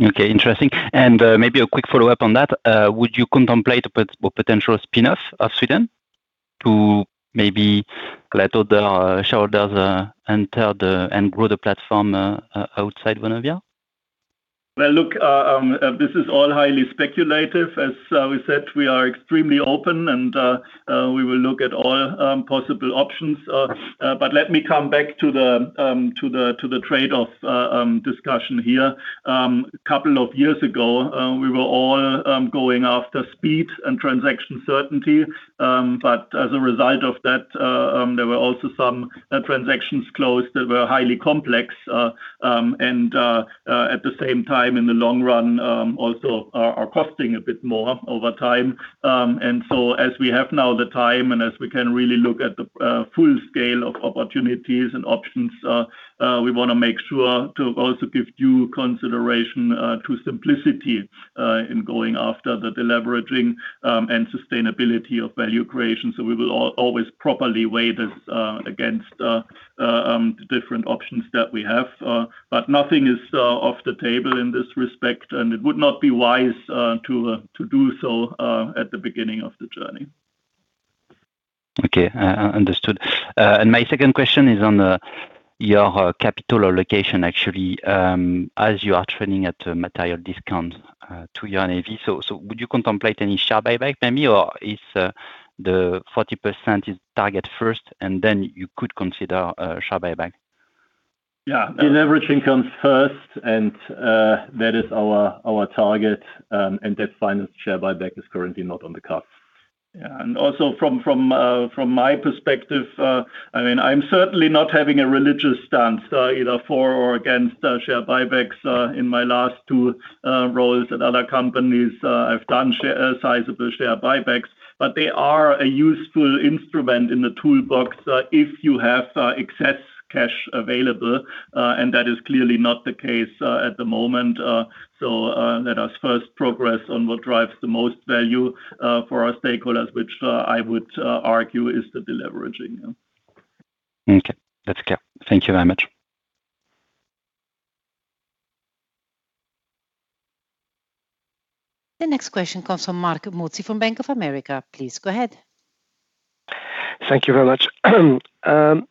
Okay. Interesting. Maybe a quick follow-up on that. Would you contemplate a potential spin-off of Sweden to maybe let other shareholders enter the and grow the platform outside Vonovia? Well, look, this is all highly speculative. As we said, we are extremely open and we will look at all possible options. Let me come back to the trade-off discussion here. Couple of years ago, we were all going after speed and transaction certainty. As a result of that, there were also some transactions closed that were highly complex and at the same time, in the long run, also are costing a bit more over time. As we have now the time and as we can really look at the full scale of opportunities and options, we want to make sure to also give due consideration to simplicity in going after the deleveraging and sustainability of value creation. We will always properly weigh this against the different options that we have. Nothing is off the table in this respect, and it would not be wise to do so at the beginning of the journey. Okay. Understood. My second question is on your capital allocation, actually, as you are trading at a material discount to your NAV. Would you contemplate any share buyback maybe, or is the 40% target first and then you could consider a share buyback? Yeah. Deleveraging comes first, and that is our target, and debt-financed share buyback is currently not on the cards. Yeah. Also from my perspective, I mean, I'm certainly not having a religious stance either for or against share buybacks. In my last two roles at other companies, I've done sizable share buybacks, but they are a useful instrument in the toolbox if you have excess cash available, and that is clearly not the case at the moment. Let us first progress on what drives the most value for our stakeholders, which I would argue is the deleveraging. Yeah. Okay. That's clear. Thank you very much. The next question comes from Marc Mozzi from Bank of America. Please go ahead. Thank you very much.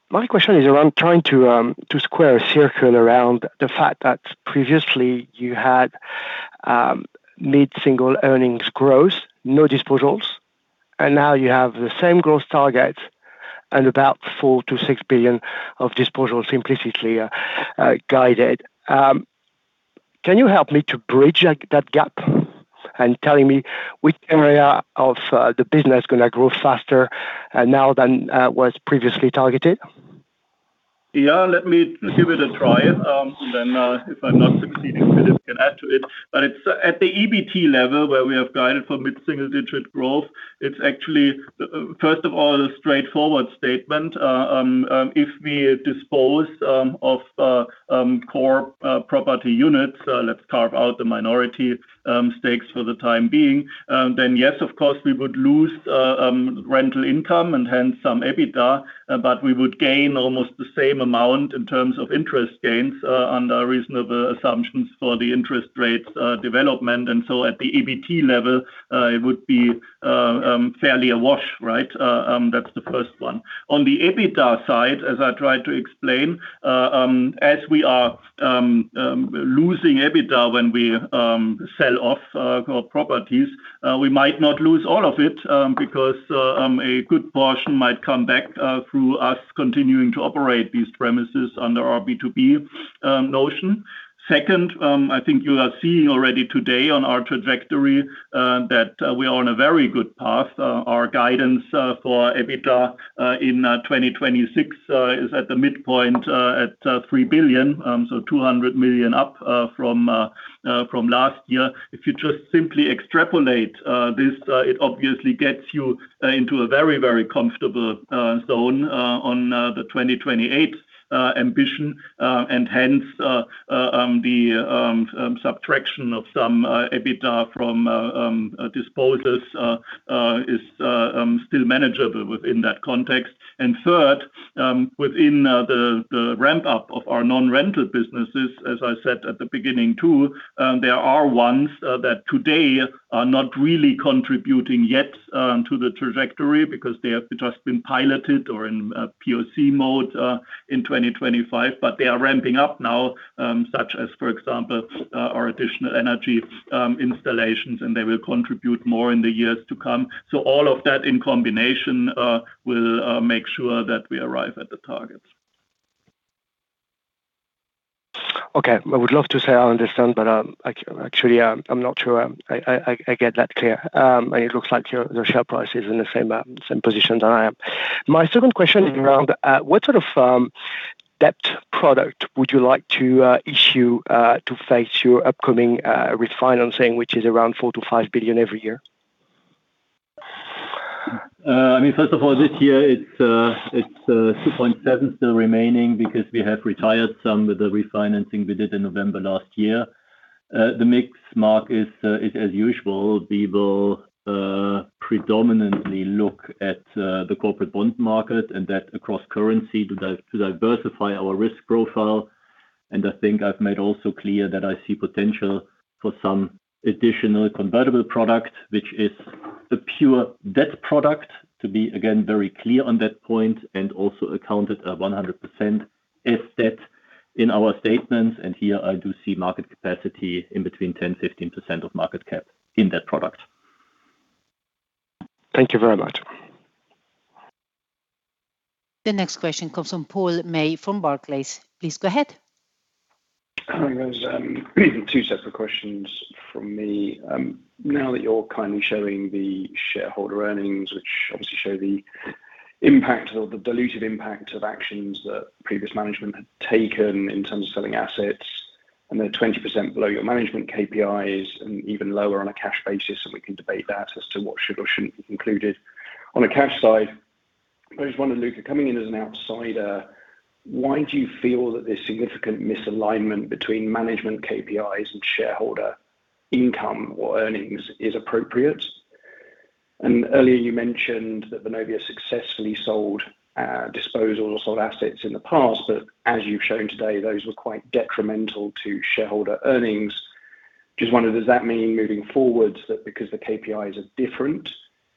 My question is around trying to square a circle around the fact that previously you had mid-single earnings growth, no disposals, and now you have the same growth target and about 4 billion- 6 billion of disposals implicitly guided. Can you help me to bridge that gap and tell me which area of the business is gonna grow faster now than was previously targeted? Yeah, let me give it a try, and then, if I'm not succeeding, Philip can add to it. It's at the EBT level where we have guided for mid-single-digit growth. It's actually, first of all, a straightforward statement. If we dispose of core property units, let's carve out the minority stakes for the time being, then, yes, of course, we would lose rental income and hence some EBITDA, but we would gain almost the same amount in terms of interest gains, under reasonable assumptions for the interest rates development. At the EBT level, it would be fairly a wash, right? That's the first one. On the EBITDA side, as I tried to explain, as we are losing EBITDA when we sell off our properties, we might not lose all of it, because a good portion might come back through us continuing to operate these premises under our B2B notion. Second, I think you are seeing already today on our trajectory that we are on a very good path. Our guidance for EBITDA in 2026 is at the midpoint at 3 billion, so 200 million up from last year. If you just simply extrapolate this, it obviously gets you into a very, very comfortable zone on the 2028 ambition. Hence, the subtraction of some EBITDA from disposals is still manageable within that context. Third, within the ramp-up of our non-rental businesses, as I said at the beginning too, there are ones that today are not really contributing yet to the trajectory because they have just been piloted or in POC mode in 2025, but they are ramping up now, such as, for example, our additional energy installations, and they will contribute more in the years to come. All of that in combination will make sure that we arrive at the targets. Okay. I would love to say I understand, but actually I'm not sure I get that clear. It looks like your share price is in the same position that I am. My second question is around what sort of debt product would you like to issue to face your upcoming refinancing, which is around 4 billion-5 billion every year? I mean, first of all, this year it's 2.7 still remaining because we have retired some with the refinancing we did in November last year. The mix, Marc, is as usual. We will predominantly look at the corporate bond market and that across currency to diversify our risk profile. I think I've made also clear that I see potential for some additional convertible product, which is a pure debt product to be, again, very clear on that point and also accounted at 100% as debt in our statements. Here I do see market capacity in between 10%-15% of market cap in that product. Thank you very much. The next question comes from Paul May from Barclays. Please go ahead. Hi, guys. Two separate questions from me. Now that you're kindly showing the shareholder earnings, which obviously show the impact or the dilutive impact of actions that previous management had taken in terms of selling assets, and they're 20% below your management KPIs and even lower on a cash basis, and we can debate that as to what should or shouldn't be included. On a cash side, I just wonder, Luka, coming in as an outsider, why do you feel that there's significant misalignment between management KPIs and shareholder income or earnings is appropriate? Earlier you mentioned that Vonovia successfully sold, disposals or sold assets in the past, but as you've shown today, those were quite detrimental to shareholder earnings. Just wondered, does that mean moving forward that because the KPIs are different,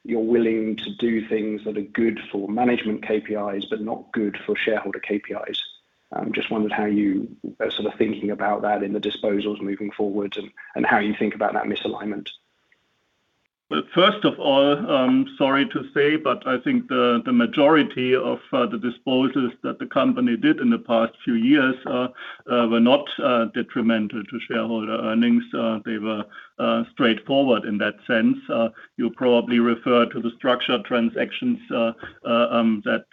you're willing to do things that are good for management KPIs but not good for shareholder KPIs? Just wondered how you are sort of thinking about that in the disposals moving forward and how you think about that misalignment? Well, first of all, I'm sorry to say, but I think the majority of the disposals that the company did in the past few years were not detrimental to shareholder earnings. They were straightforward in that sense. You probably refer to the structured transactions that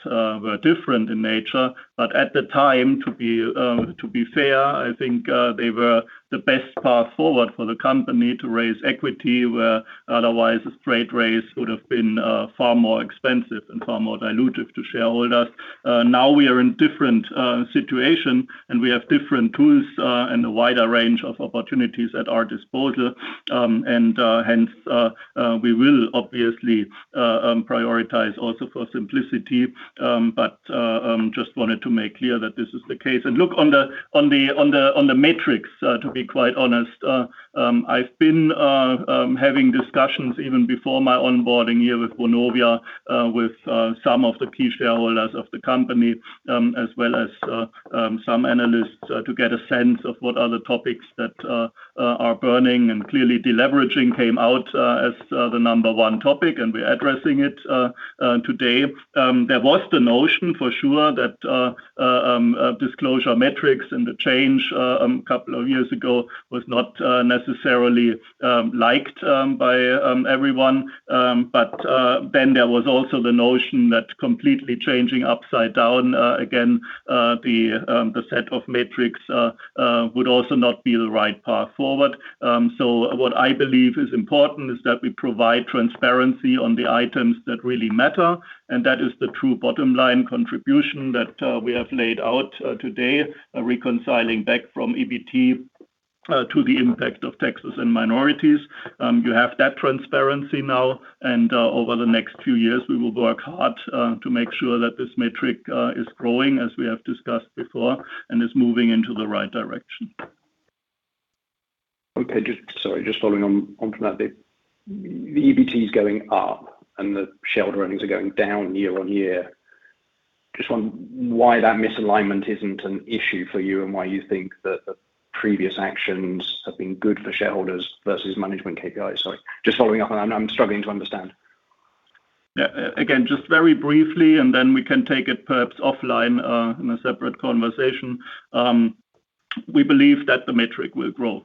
were different in nature. At the time, to be fair, I think they were the best path forward for the company to raise equity, where otherwise a straight raise would have been far more expensive and far more dilutive to shareholders. Now we are in different situation, and we have different tools and a wider range of opportunities at our disposal. We will obviously prioritize also for simplicity. Just wanted to make clear that this is the case. Look on the metrics, to be quite honest, I've been having discussions even before my onboarding here with Vonovia, with some of the key shareholders of the company, as well as some analysts, to get a sense of what are the topics that are burning. Clearly, deleveraging came out as the number one topic, and we're addressing it today. There was the notion for sure that disclosure metrics and the change a couple of years ago was not necessarily liked by everyone. There was also the notion that completely changing upside down, again, the set of metrics, would also not be the right path forward. What I believe is important is that we provide transparency on the items that really matter, and that is the true bottom-line contribution that we have laid out today, reconciling back from EBT to the impact of taxes and minorities. You have that transparency now, and over the next few years, we will work hard to make sure that this metric is growing as we have discussed before and is moving into the right direction. Okay. Sorry, just following on from that bit. The EBT is going up, and the shareholder earnings are going down year-on-year. Just wonder why that misalignment isn't an issue for you, and why you think that the previous actions have been good for shareholders versus management KPIs. Sorry, just following up on that. I'm struggling to understand. Yeah. Again, just very briefly, and then we can take it perhaps offline, in a separate conversation. We believe that the metric will grow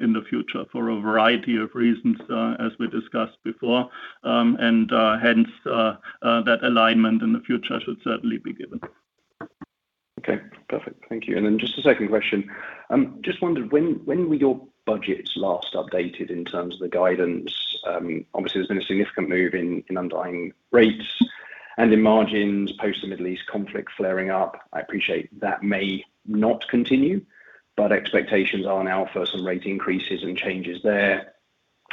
in the future for a variety of reasons, as we discussed before. That alignment in the future should certainly be given. Okay, perfect. Thank you. Just a second question. Just wondered when were your budgets last updated in terms of the guidance? Obviously, there's been a significant move in underlying rates and in margins post the Middle East conflict flaring up. I appreciate that may not continue, but expectations are now for some rate increases and changes there.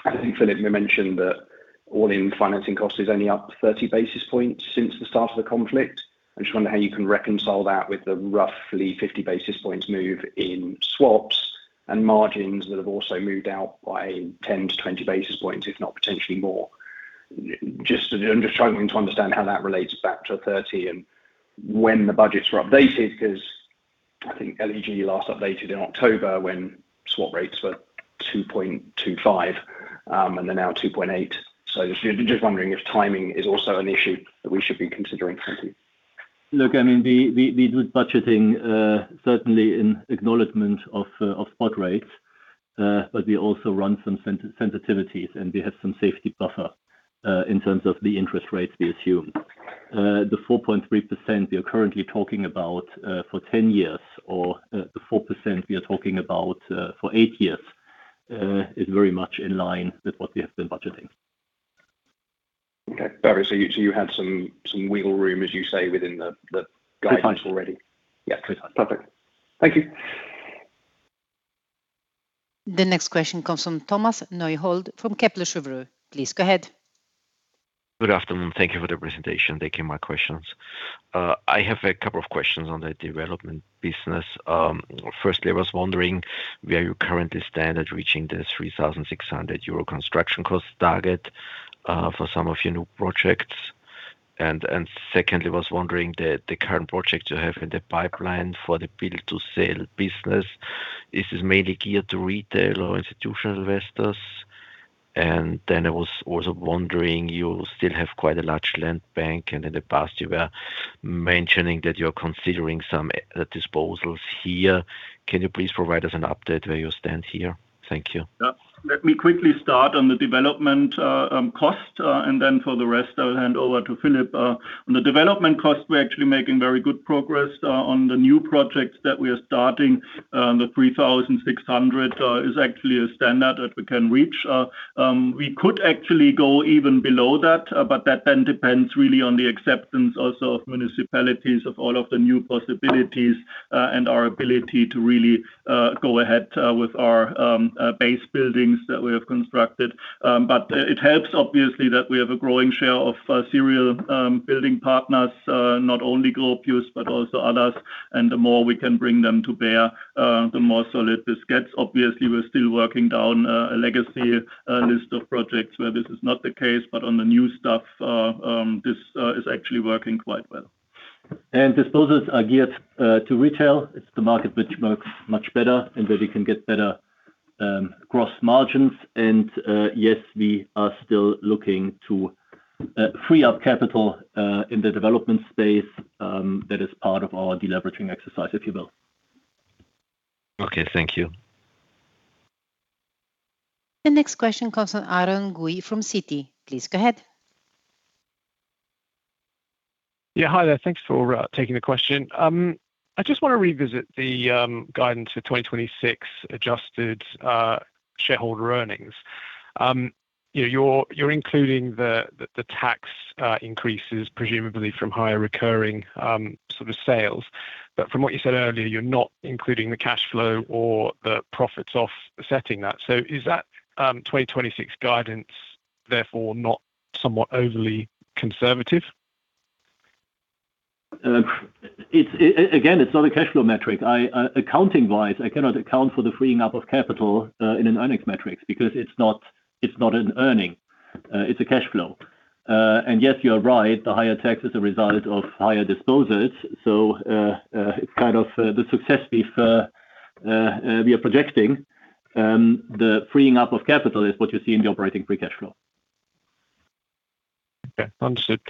I think Philip mentioned that all-in financing cost is only up 30 basis points since the start of the conflict. I just wonder how you can reconcile that with the roughly 50 basis points move in swaps and margins that have also moved out by 10 basis points-20 basis points, if not potentially more. I'm just struggling to understand how that relates back to a 30 basis points and when the budgets were updated, because I think LEG last updated in October when swap rates were 2.25%, and they're now 2.8%. Just wondering if timing is also an issue that we should be considering. Thank you. Look, I mean, we do budgeting certainly in acknowledgment of spot rates, but we also run some sensitivities, and we have some safety buffer in terms of the interest rates we assume. The 4.3% we are currently talking about for 10 years or the 4% we are talking about for eight years. Is very much in line with what we have been budgeting. Okay. Barry, you had some wiggle room, as you say, within the guidelines already. Could have. Yeah, could have. Perfect. Thank you. The next question comes from Thomas Neuhold from Kepler Cheuvreux. Please go ahead. Good afternoon. Thank you for the presentation. Thank you for my questions. I have a couple of questions on the development business. Firstly, I was wondering where you currently stand at reaching the 3,600 euro construction cost target for some of your new projects. Secondly, I was wondering the current project you have in the pipeline for the build to sale business, is this mainly geared to retail or institutional investors? I was also wondering, you still have quite a large land bank, and in the past you were mentioning that you're considering some disposals here. Can you please provide us an update on where you stand here? Thank you. Yeah. Let me quickly start on the development cost, and then for the rest, I will hand over to Philip. On the development cost, we're actually making very good progress on the new projects that we are starting. The 3,600 is actually a standard that we can reach. We could actually go even below that, but that then depends really on the acceptance also of municipalities of all of the new possibilities, and our ability to really go ahead with our base buildings that we have constructed. But it helps obviously that we have a growing share of serial building partners, not only Gropyus, but also others. The more we can bring them to bear, the more solid this gets. Obviously, we're still working down a legacy list of projects where this is not the case, but on the new stuff, this is actually working quite well. Disposals are geared to retail. It's the market which works much better and where we can get better gross margins. Yes, we are still looking to free up capital in the development space, that is part of our deleveraging exercise, if you will. Okay. Thank you. The next question comes from Aaron Guy from Citi. Please go ahead. Yeah. Hi there. Thanks for taking the question. I just wanna revisit the guidance for 2026 Adjusted Shareholder Earnings. You know, you're including the tax increases presumably from higher recurring sort of sales. From what you said earlier, you're not including the cash flow or the profits of offsetting that. Is that 2026 guidance therefore not somewhat overly conservative? It's not a cash flow metric. Accounting wise, I cannot account for the freeing up of capital in an earnings metric because it's not an earning, it's a cash flow. Yes, you are right. The higher tax is a result of higher disposals. It's kind of the success we are projecting. The freeing up of capital is what you see in the Operating Free Cash Flow. Okay. Understood.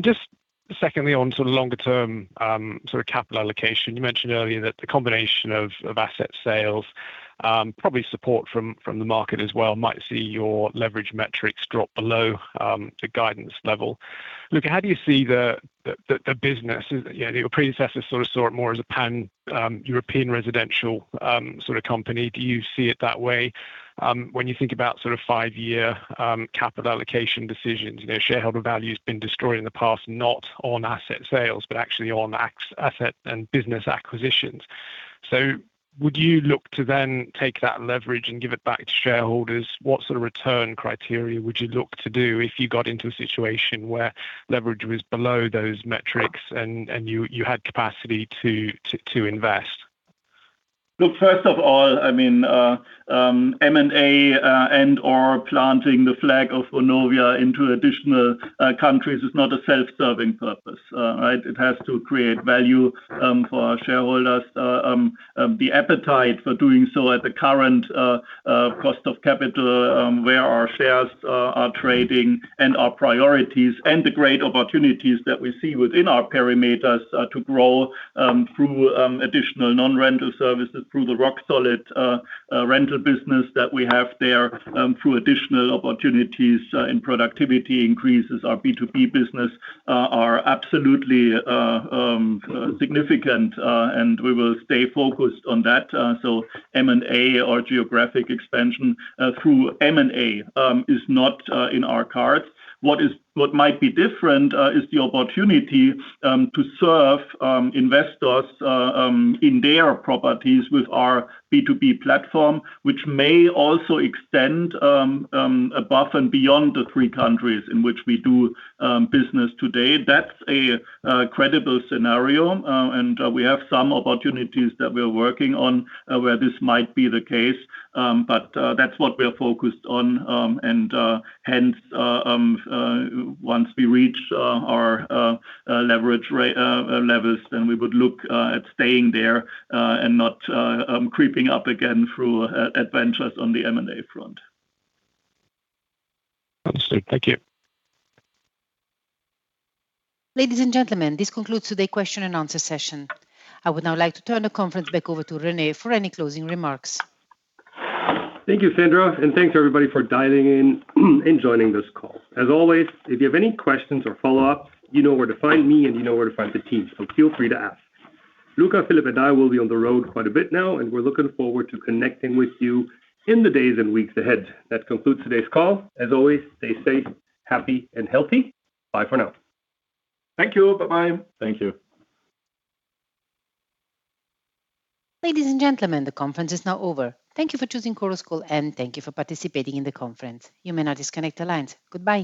Just secondly on sort of longer term, sort of capital allocation. You mentioned earlier that the combination of asset sales, probably support from the market as well, might see your leverage metrics drop below the guidance level. Look, how do you see the business? You know, your predecessors sort of saw it more as a pan European residential sort of company. Do you see it that way? When you think about sort of five-year capital allocation decisions, you know, shareholder value has been destroyed in the past, not on asset sales, but actually on asset and business acquisitions. Would you look to then take that leverage and give it back to shareholders? What sort of return criteria would you look to do if you got into a situation where leverage was below those metrics and you had capacity to invest? Look, first of all, I mean, M&A and/or planting the flag of Vonovia into additional countries is not a self-serving purpose. Right? It has to create value for our shareholders. The appetite for doing so at the current cost of capital, where our shares are trading and our priorities and the great opportunities that we see within our parameters to grow through additional non-rental services, through the rock solid rental business that we have there, through additional opportunities in productivity increases. Our B2B business are absolutely significant, and we will stay focused on that. M&A or geographic expansion through M&A is not in our cards. What might be different is the opportunity to serve investors in their properties with our B2B platform, which may also extend above and beyond the three countries in which we do business today. That's a credible scenario, and we have some opportunities that we're working on where this might be the case. That's what we're focused on. Hence once we reach our leverage levels, then we would look at staying there and not creeping up again through adventures on the M&A front. Understood. Thank you. Ladies and gentlemen, this concludes today's question and answer session. I would now like to turn the conference back over to Rene for any closing remarks. Thank you, Sandra, and thanks everybody for dialing in and joining this call. As always, if you have any questions or follow-up, you know where to find me, and you know where to find the team, so feel free to ask. Luka, Philip, and I will be on the road quite a bit now, and we're looking forward to connecting with you in the days and weeks ahead. That concludes today's call. As always, stay safe, happy and healthy. Bye for now. Thank you. Bye-bye. Thank you. Ladies and gentlemen, the conference is now over. Thank you for choosing Chorus Call, and thank you for participating in the conference. You may now disconnect the lines. Goodbye.